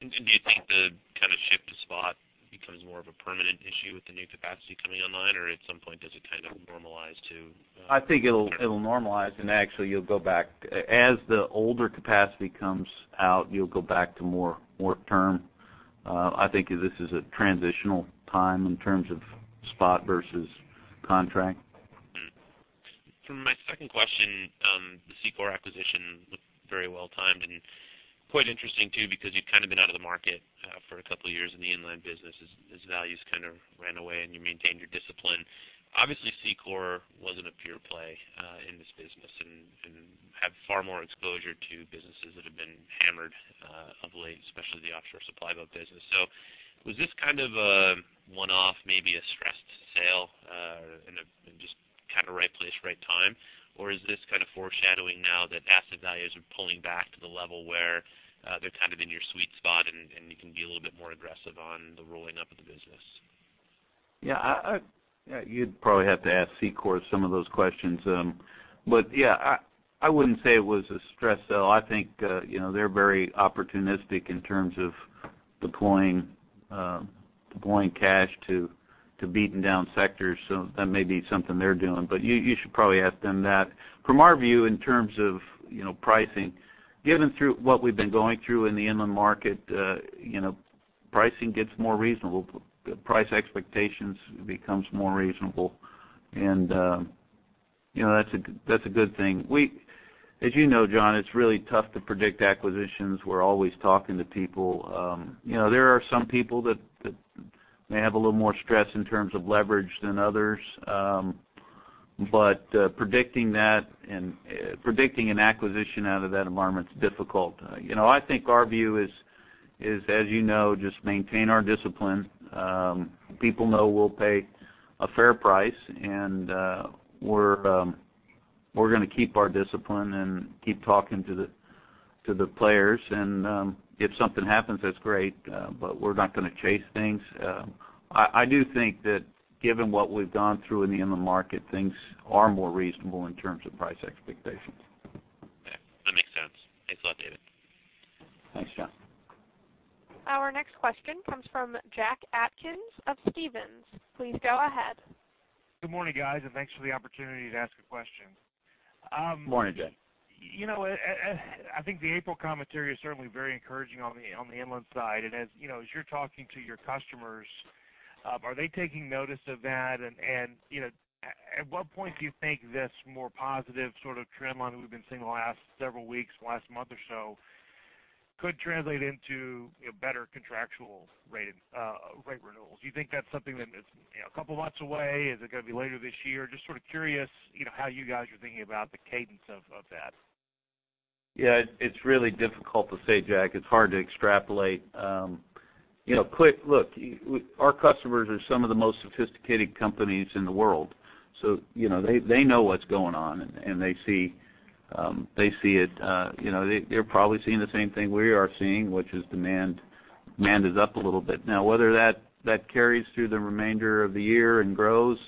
Do you think the kind of shift to spot becomes more of a permanent issue with the new capacity coming online, or at some point, does it kind of normalize to? I think it'll normalize, and actually, you'll go back. As the older capacity comes out, you'll go back to more term. I think this is a transitional time in terms of spot versus contract. Mm-hmm. For my second question, the SEACOR acquisition looked very well timed and quite interesting, too, because you've kind of been out of the market for a couple of years in the inland business, as values kind of ran away, and you maintained your discipline. Obviously, SEACOR wasn't a pure play in this business and have far more exposure to businesses that have been hammered of late, especially the offshore supply boat business. So was this kind of a one-off, maybe a stressed sale, and just kind of right place, right time? Or is this kind of foreshadowing now that asset values are pulling back to the level where they're kind of in your sweet spot, and you can be a little bit more aggressive on the rolling up of the business? Yeah, you'd probably have to ask SEACOR some of those questions. But yeah, I wouldn't say it was a stress sale. I think, you know, they're very opportunistic in terms of deploying cash to beaten down sectors, so that may be something they're doing. But you should probably ask them that. From our view, in terms of, you know, pricing, given what we've been going through in the inland market, you know, pricing gets more reasonable. Price expectations becomes more reasonable, and, you know, that's a good thing. As you know, John, it's really tough to predict acquisitions. We're always talking to people. You know, there are some people that may have a little more stress in terms of leverage than others, but predicting that and predicting an acquisition out of that environment is difficult. You know, I think our view is, as you know, just maintain our discipline. People know we'll pay a fair price, and we're gonna keep our discipline and keep talking to the players. If something happens, that's great, but we're not gonna chase things. I do think that given what we've gone through in the inland market, things are more reasonable in terms of price expectations. Yeah, that makes sense. Thanks a lot, David. Thanks, Jon. Our next question comes from Jack Atkins of Stephens. Please go ahead. Good morning, guys, and thanks for the opportunity to ask a question. Morning, Jack. You know, I think the April commentary is certainly very encouraging on the, on the inland side. And as you know, as you're talking to your customers, are they taking notice of that? And, you know, at what point do you think this more positive sort of trend line that we've been seeing the last several weeks, last month or so, could translate into, you know, better contractual rate, rate renewals? Do you think that's something that is, you know, a couple of months away? Is it gonna be later this year? Just sort of curious, you know, how you guys are thinking about the cadence of that. Yeah, it, it's really difficult to say, Jack. It's hard to extrapolate. You know, quick look, our customers are some of the most sophisticated companies in the world, so you know, they, they know what's going on, and they see, they see it. You know, they, they're probably seeing the same thing we are seeing, which is demand, demand is up a little bit. Now, whether that, that carries through the remainder of the year and grows,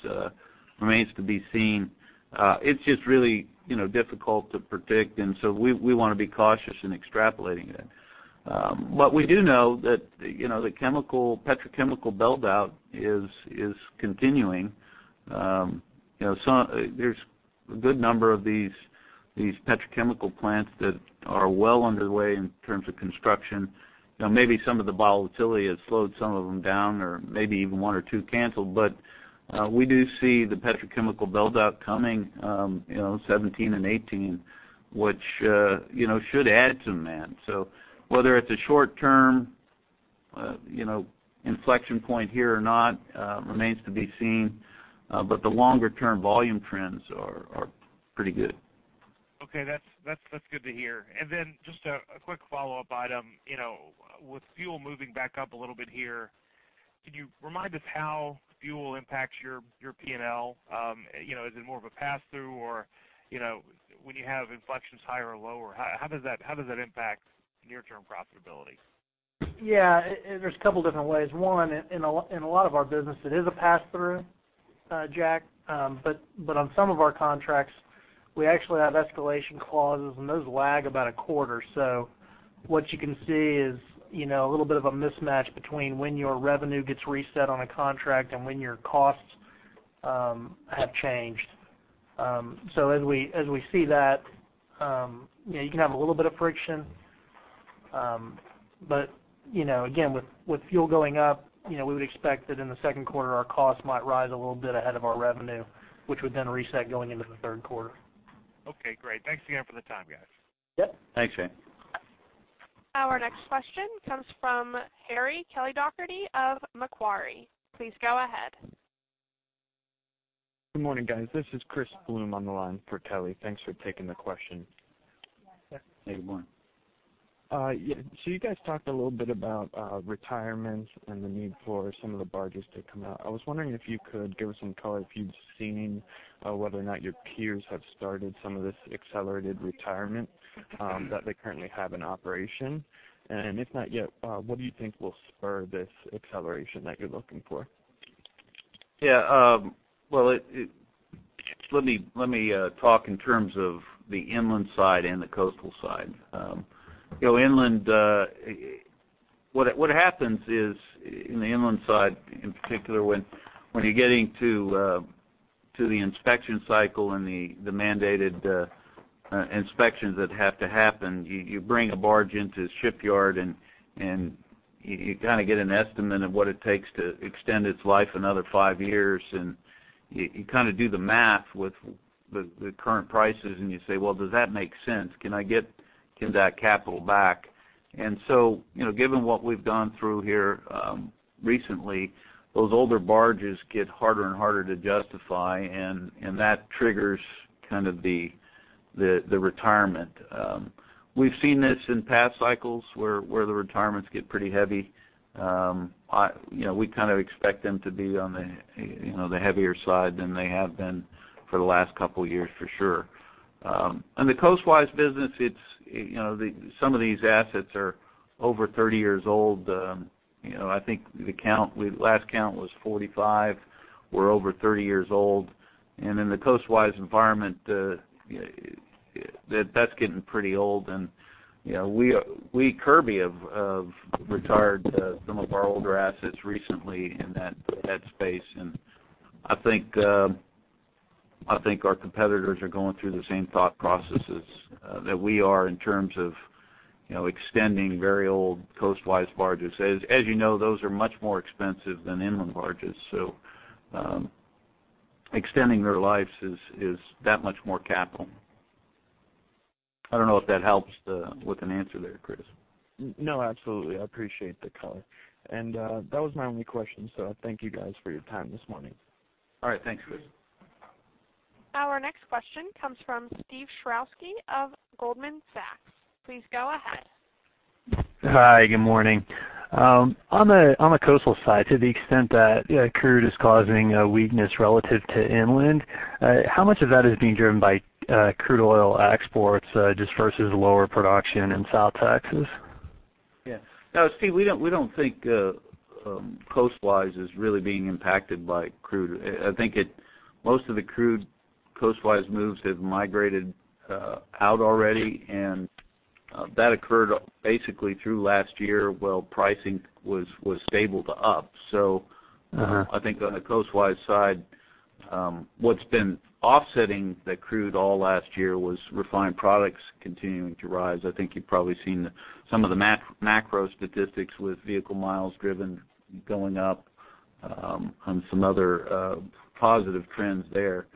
remains to be seen. It's just really, you know, difficult to predict, and so we, we wanna be cautious in extrapolating it. What we do know that, you know, the chemical, petrochemical build-out is, is continuing. You know, there's a good number of these, these petrochemical plants that are well underway in terms of construction. Now, maybe some of the volatility has slowed some of them down, or maybe even one or two canceled, but, we do see the petrochemical build-out coming, you know, 2017 and 2018, which, you know, should add to demand. So whether it's a short term, you know, inflection point here or not, remains to be seen, but the longer term volume trends are pretty good. Okay, that's good to hear. And then just a quick follow-up item. You know, with fuel moving back up a little bit here, could you remind us how fuel impacts your P&L? You know, is it more of a pass-through, or, you know, when you have inflections higher or lower, how does that impact near-term profitability? Yeah, there's a couple different ways. One, in a lot of our business, it is a pass-through, Jack. But on some of our contracts, we actually have escalation clauses, and those lag about a quarter. So what you can see is, you know, a little bit of a mismatch between when your revenue gets reset on a contract and when your costs have changed. So as we see that, you know, you can have a little bit of friction. But, you know, again, with fuel going up, you know, we would expect that in the second quarter, our costs might rise a little bit ahead of our revenue, which would then reset going into the third quarter. Okay, great. Thanks again for the time, guys. Yep. Thanks, Jack. Our next question comes from Kelly Dougherty of Macquarie. Please go ahead. Good morning, guys. This is Chris Bloom on the line for Kelly. Thanks for taking the question. Yeah. Good morning. Yeah, so you guys talked a little bit about retirements and the need for some of the barges to come out. I was wondering if you could give us some color, if you've seen whether or not your peers have started some of this accelerated retirement that they currently have in operation? And if not yet, what do you think will spur this acceleration that you're looking for? Yeah, well, let me talk in terms of the inland side and the coastal side. You know, inland, what happens is, in the inland side in particular, when you're getting to the inspection cycle and the mandated inspections that have to happen, you bring a barge into the shipyard, and you kind of get an estimate of what it takes to extend its life another five years. And you kind of do the math with the current prices, and you say, "Well, does that make sense? Can I get that capital back?" And so, you know, given what we've gone through here, recently, those older barges get harder and harder to justify, and that triggers kind of the retirement. We've seen this in past cycles where the retirements get pretty heavy. You know, we kind of expect them to be on the, you know, the heavier side than they have been for the last couple years, for sure. And the coastwise business, it's, you know, some of these assets are over 30 years old. You know, I think the count, last count was 45, were over 30 years old. And in the coastwise environment, that's getting pretty old. And, you know, we, Kirby, have retired some of our older assets recently in that, that space. And I think, I think our competitors are going through the same thought processes, that we are in terms of, you know, extending very old coastwise barges. As you know, those are much more expensive than inland barges, so extending their lives is that much more capital. I don't know if that helps with an answer there, Chris. No, absolutely. I appreciate the color. And, that was my only question, so thank you guys for your time this morning. All right. Thanks, Chris. Our next question comes from Steve Sherowski of Goldman Sachs. Please go ahead. Hi, good morning. On the coastal side, to the extent that crude is causing a weakness relative to inland, how much of that is being driven by crude oil exports, just versus lower production in South Texas? Yeah. No, Steve, we don't think coastwise is really being impacted by crude. I think most of the crude coastwise moves have migrated out already, and that occurred basically through last year, while pricing was stable to up. Mm-hmm. So I think on the coastwise side, what's been offsetting the crude all last year was refined products continuing to rise. I think you've probably seen some of the macro statistics with vehicle miles driven going up, on some other, positive trends there.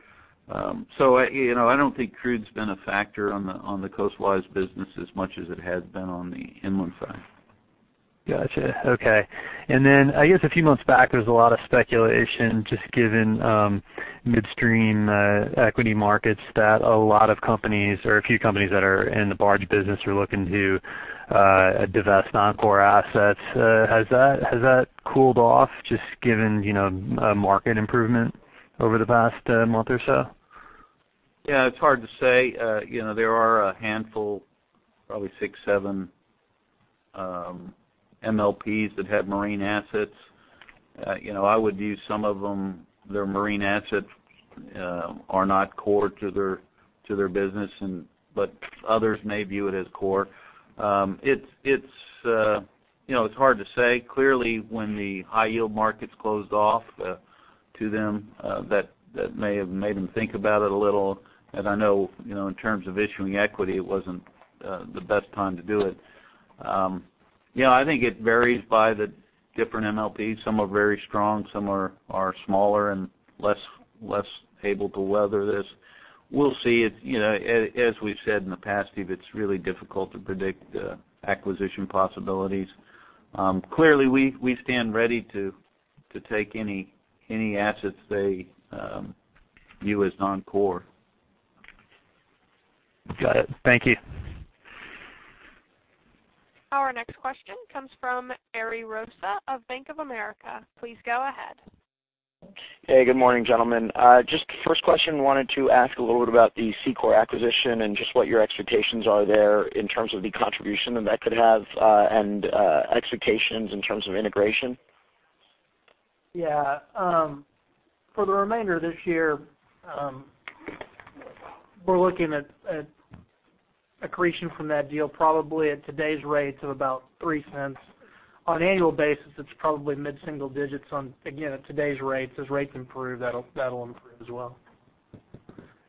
So I, you know, I don't think crude's been a factor on the, on the coastwise business as much as it has been on the inland side. Gotcha. Okay. And then, I guess, a few months back, there was a lot of speculation, just given, midstream, equity markets, that a lot of companies or a few companies that are in the barge business were looking to, divest non-core assets. Has that, has that cooled off, just given, you know, a market improvement over the past, month or so? Yeah, it's hard to say. You know, there are a handful, probably six, seven MLPs that have marine assets. You know, I would view some of them, their marine assets, are not core to their, to their business, but others may view it as core. It's, it's, you know, it's hard to say. Clearly, when the high-yield markets closed off, to them, that may have made them think about it a little. And I know, you know, in terms of issuing equity, it wasn't, the best time to do it. Yeah, I think it varies by the different MLPs. Some are very strong, some are smaller and less able to weather this. We'll see it, you know, as we've said in the past, Steve, it's really difficult to predict, acquisition possibilities. Clearly, we, we stand ready to, to take any, any assets they view as non-core. Got it. Thank you. Our next question comes from Ari Rosa of Bank of America. Please go ahead. Hey, good morning, gentlemen. Just first question, wanted to ask a little bit about the SEACOR acquisition and just what your expectations are there in terms of the contribution that could have, and expectations in terms of integration. Yeah, for the remainder of this year, we're looking at accretion from that deal, probably at today's rates, of about $0.03. On an annual basis, it's probably mid-single digits on, again, at today's rates. As rates improve, that'll improve as well.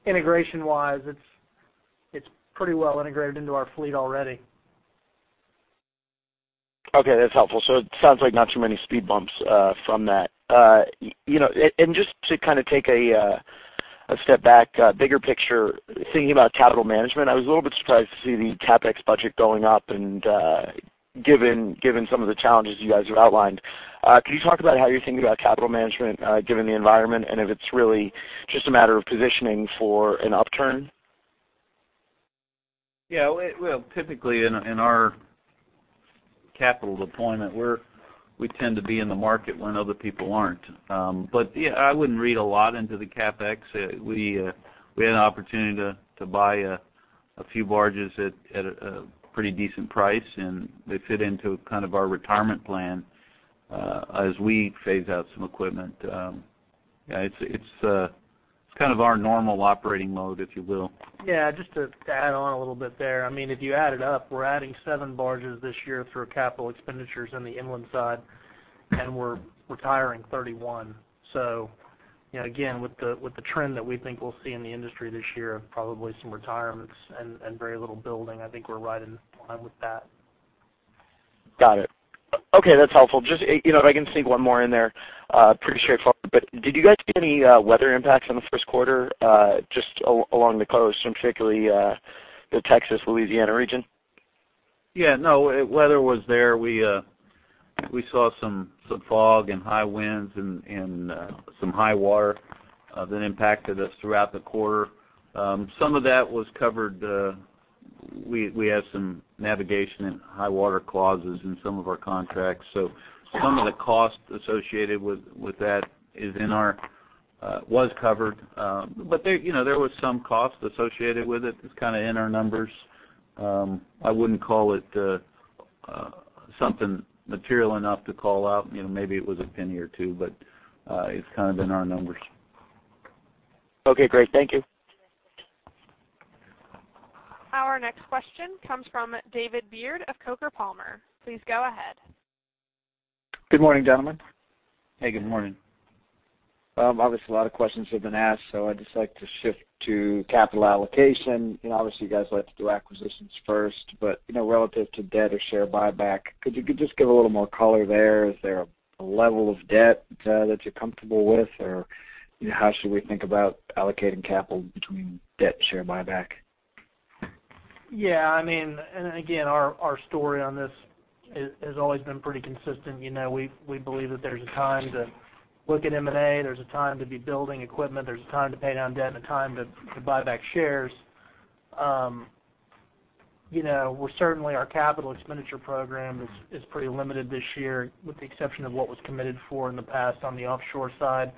Integration-wise, it's pretty well integrated into our fleet already. Okay, that's helpful. So it sounds like not too many speed bumps from that. You know, and just to kind of take a step back, bigger picture, thinking about capital management, I was a little bit surprised to see the CapEx budget going up, and, given some of the challenges you guys have outlined. Can you talk about how you're thinking about capital management, given the environment, and if it's really just a matter of positioning for an upturn? Yeah, well, typically, in our capital deployment, we tend to be in the market when other people aren't. But, yeah, I wouldn't read a lot into the CapEx. We had an opportunity to buy a few barges at a pretty decent price, and they fit into kind of our retirement plan as we phase out some equipment. Yeah, it's kind of our normal operating mode, if you will. Yeah, just to add on a little bit there. I mean, if you add it up, we're adding seven barges this year through capital expenditures on the inland side, and we're retiring 31. So, you know, again, with the, with the trend that we think we'll see in the industry this year, probably some retirements and, and very little building, I think we're right in line with that. Got it. Okay, that's helpful. Just, you know, if I can sneak one more in there, pretty straightforward, but did you guys see any weather impacts in the first quarter, just along the coast, and particularly, the Texas, Louisiana region? Yeah, no, weather was there. We saw some fog and high winds and some high water that impacted us throughout the quarter. Some of that was covered, we had some navigation and high water clauses in some of our contracts, so some of the costs associated with that was covered. But there, you know, there was some costs associated with it. It's kind of in our numbers. I wouldn't call it something material enough to call out. You know, maybe it was a penny or two, but it's kind of in our numbers. Okay, great. Thank you. Our next question comes from David Beard of Coker & Palmer. Please go ahead. Good morning, gentlemen. Hey, good morning. Obviously, a lot of questions have been asked, so I'd just like to shift to capital allocation. You know, obviously, you guys like to do acquisitions first, but, you know, relative to debt or share buyback, could you just give a little more color there? Is there a level of debt that you're comfortable with? Or, how should we think about allocating capital between debt and share buyback? Yeah, I mean, and again, our, our story on this has, has always been pretty consistent. You know, we, we believe that there's a time to look at M&A, there's a time to be building equipment, there's a time to pay down debt, and a time to, to buy back shares. You know, we're certainly, our capital expenditure program is, is pretty limited this year, with the exception of what was committed for in the past on the offshore side.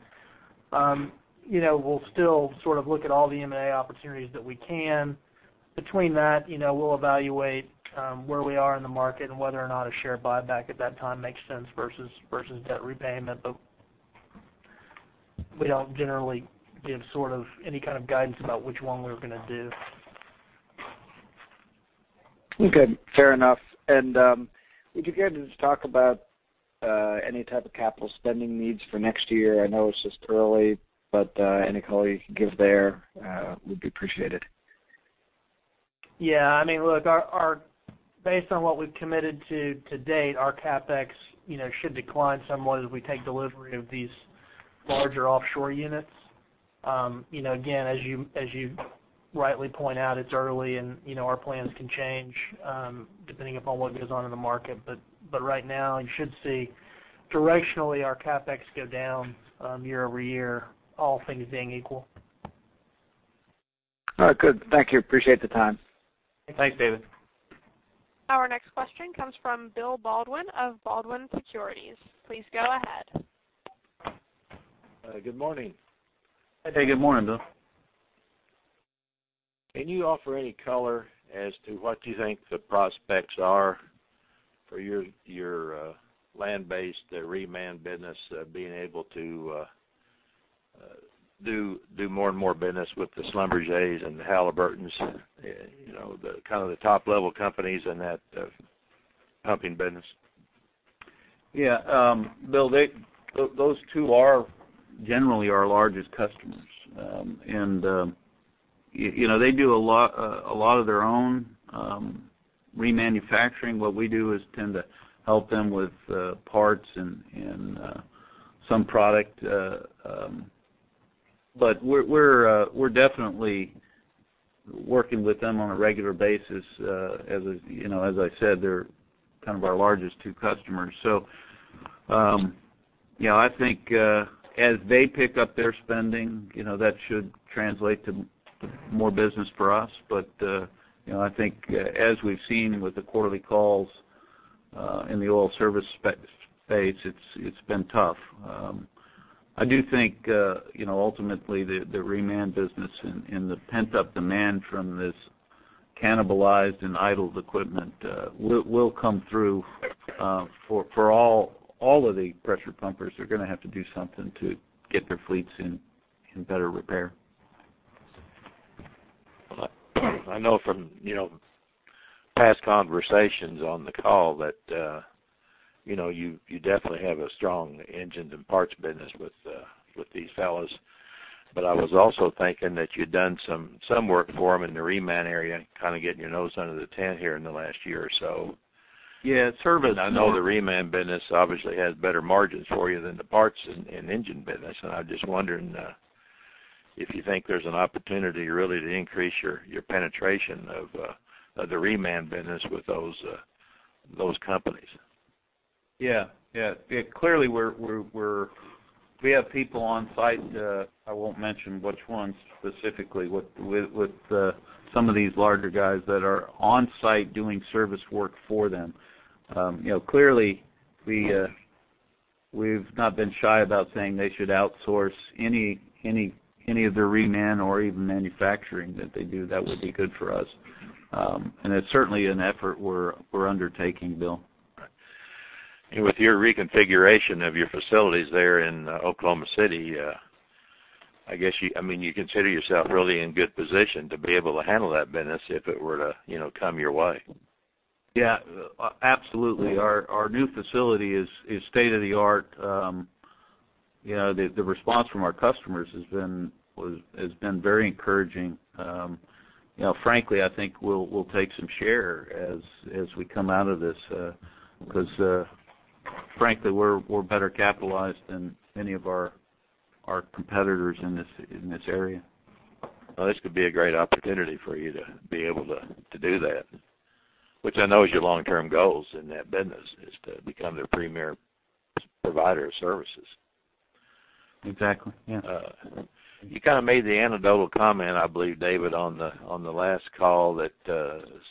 You know, we'll still sort of look at all the M&A opportunities that we can. Between that, you know, we'll evaluate, where we are in the market and whether or not a share buyback at that time makes sense versus, versus debt repayment. But we don't generally give sort of any kind of guidance about which one we're gonna do. Okay, fair enough. And would you be able to just talk about any type of capital spending needs for next year? I know it's just early, but any color you can give there would be appreciated. Yeah, I mean, look, our based on what we've committed to date, our CapEx, you know, should decline somewhat as we take delivery of these larger offshore units. You know, again, as you rightly point out, it's early and, you know, our plans can change, depending upon what goes on in the market. But right now, you should see directionally, our CapEx go down, year-over-year, all things being equal. All right, good. Thank you. Appreciate the time. Thanks, David. Our next question comes from Bill Baldwin of Baldwin Securities. Please go ahead. Good morning. Hey, good morning, Bill. Can you offer any color as to what you think the prospects are for your land-based reman business being able to do more and more business with the Schlumbergers and the Halliburtons, you know, the kind of the top-level companies in that pumping business? Yeah, Bill, those two are generally our largest customers. And you know, they do a lot, a lot of their own remanufacturing. What we do is tend to help them with parts and some product, but we're definitely working with them on a regular basis. As you know, as I said, they're kind of our largest two customers. So you know, I think as they pick up their spending, you know, that should translate to more business for us. But you know, I think as we've seen with the quarterly calls in the oil service space, it's been tough. I do think, you know, ultimately, the reman business and the pent-up demand from this cannibalized and idled equipment will come through for all of the pressure pumpers. They're gonna have to do something to get their fleets in better repair. Well, I know from, you know, past conversations on the call that, you know, you definitely have a strong engines and parts business with, with these fellows. But I was also thinking that you'd done some work for them in the reman area, kind of getting your nose under the tent here in the last year or so. Yeah, service- I know the reman business obviously has better margins for you than the parts and engine business, and I'm just wondering if you think there's an opportunity really to increase your penetration of the reman business with those companies. Yeah, yeah. Yeah, clearly, we have people on site. I won't mention which ones specifically, with some of these larger guys that are on site doing service work for them. You know, clearly, we've not been shy about saying they should outsource any of their reman or even manufacturing that they do. That would be good for us. And it's certainly an effort we're undertaking, Bill. Right. And with your reconfiguration of your facilities there in Oklahoma City, I guess you—I mean, you consider yourself really in good position to be able to handle that business if it were to, you know, come your way. Yeah, absolutely. Our new facility is state-of-the-art, you know, the response from our customers has been very encouraging. You know, frankly, I think we'll take some share as we come out of this, because, frankly, we're better capitalized than any of our competitors in this area. Well, this could be a great opportunity for you to be able to, to do that, which I know is your long-term goals in that business, is to become the premier provider of services. Exactly, yeah. You kind of made the anecdotal comment, I believe, David, on the last call that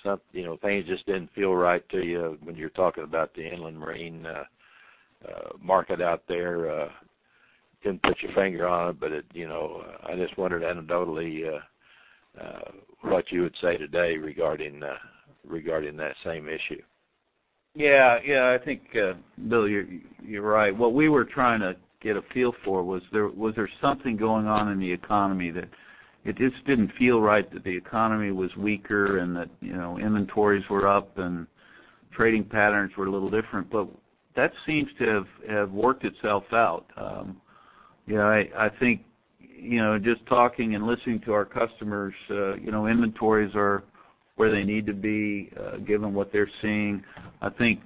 some, you know, things just didn't feel right to you when you're talking about the inland marine market out there. Couldn't put your finger on it, but, you know, I just wondered anecdotally what you would say today regarding that same issue. Yeah. Yeah, I think, Bill, you're right. What we were trying to get a feel for was there something going on in the economy that it just didn't feel right, that the economy was weaker and that, you know, inventories were up and trading patterns were a little different. But that seems to have worked itself out. Yeah, I think, you know, just talking and listening to our customers, you know, inventories are where they need to be, given what they're seeing. I think,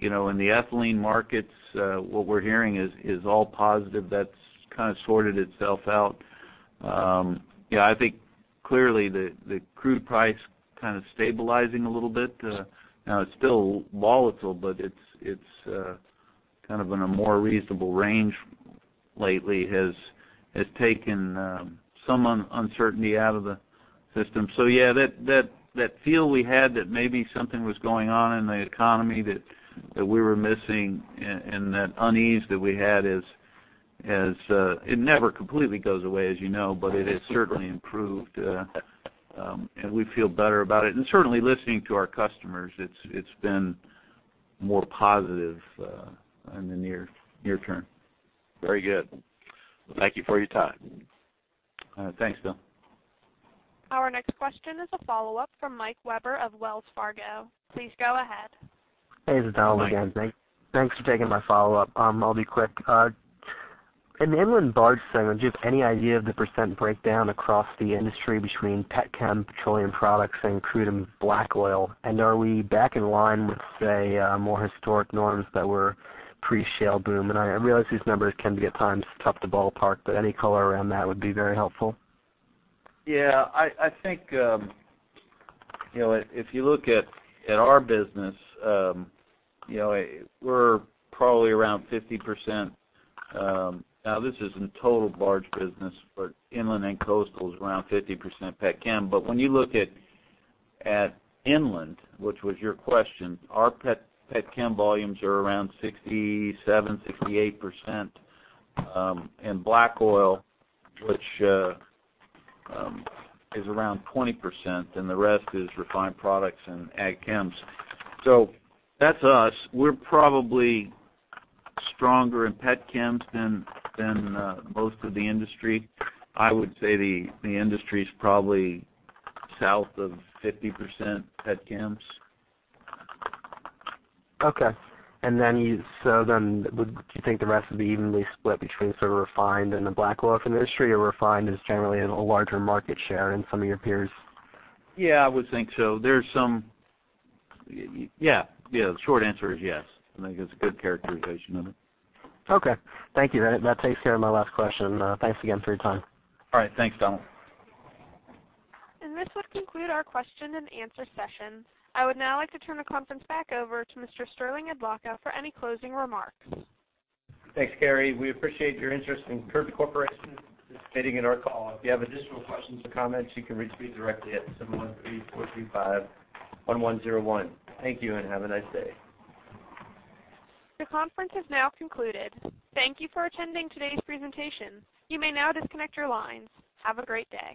you know, in the ethylene markets, what we're hearing is all positive. That's kind of sorted itself out. Yeah, I think clearly, the crude price kind of stabilizing a little bit. Now it's still volatile, but it's kind of in a more reasonable range lately has taken some uncertainty out of the system. So yeah, that feel we had that maybe something was going on in the economy that we were missing and that unease that we had. It never completely goes away, as you know, but it has certainly improved, and we feel better about it. And certainly, listening to our customers, it's been more positive in the near term. Very good. Thank you for your time. Thanks, Bill. Our next question is a follow-up from Mike Webber of Wells Fargo. Please go ahead. Hey, this is Donald again. Hi, Mike. Thanks, thanks for taking my follow-up. I'll be quick. In the inland barge segment, do you have any idea of the percent breakdown across the industry between petchem, petroleum products, and crude and black oil? And are we back in line with, say, more historic norms that were pre-shale boom? I realize these numbers can be, at times, tough to ballpark, but any color around that would be very helpful. Yeah, I think, you know, if you look at our business, you know, we're probably around 50%. Now, this is in total barge business, but inland and coastal is around 50% petchem. But when you look at inland, which was your question, our petchem volumes are around 67%-68%, and black oil, which is around 20%, and the rest is refined products and ag chems. So that's us. We're probably stronger in petchems than most of the industry. I would say the industry is probably south of 50% petchems. Okay. And then you—so then would you think the rest would be evenly split between sort of refined and the Black oil industry, or refined is generally a larger market share in some of your peers? Yeah, I would think so. There's some—yeah, yeah, the short answer is yes. I think it's a good characterization of it. Okay. Thank you. That, that takes care of my last question. Thanks again for your time. All right. Thanks, Donald. This would conclude our question and answer session. I would now like to turn the conference back over to Mr. Sterling Adlakha for any closing remarks. Thanks, Carrie. We appreciate your interest in Kirby Corporation, participating in our call. If you have additional questions or comments, you can reach me directly at 713-435-1101. Thank you, and have a nice day. The conference has now concluded. Thank you for attending today's presentation. You may now disconnect your lines. Have a great day.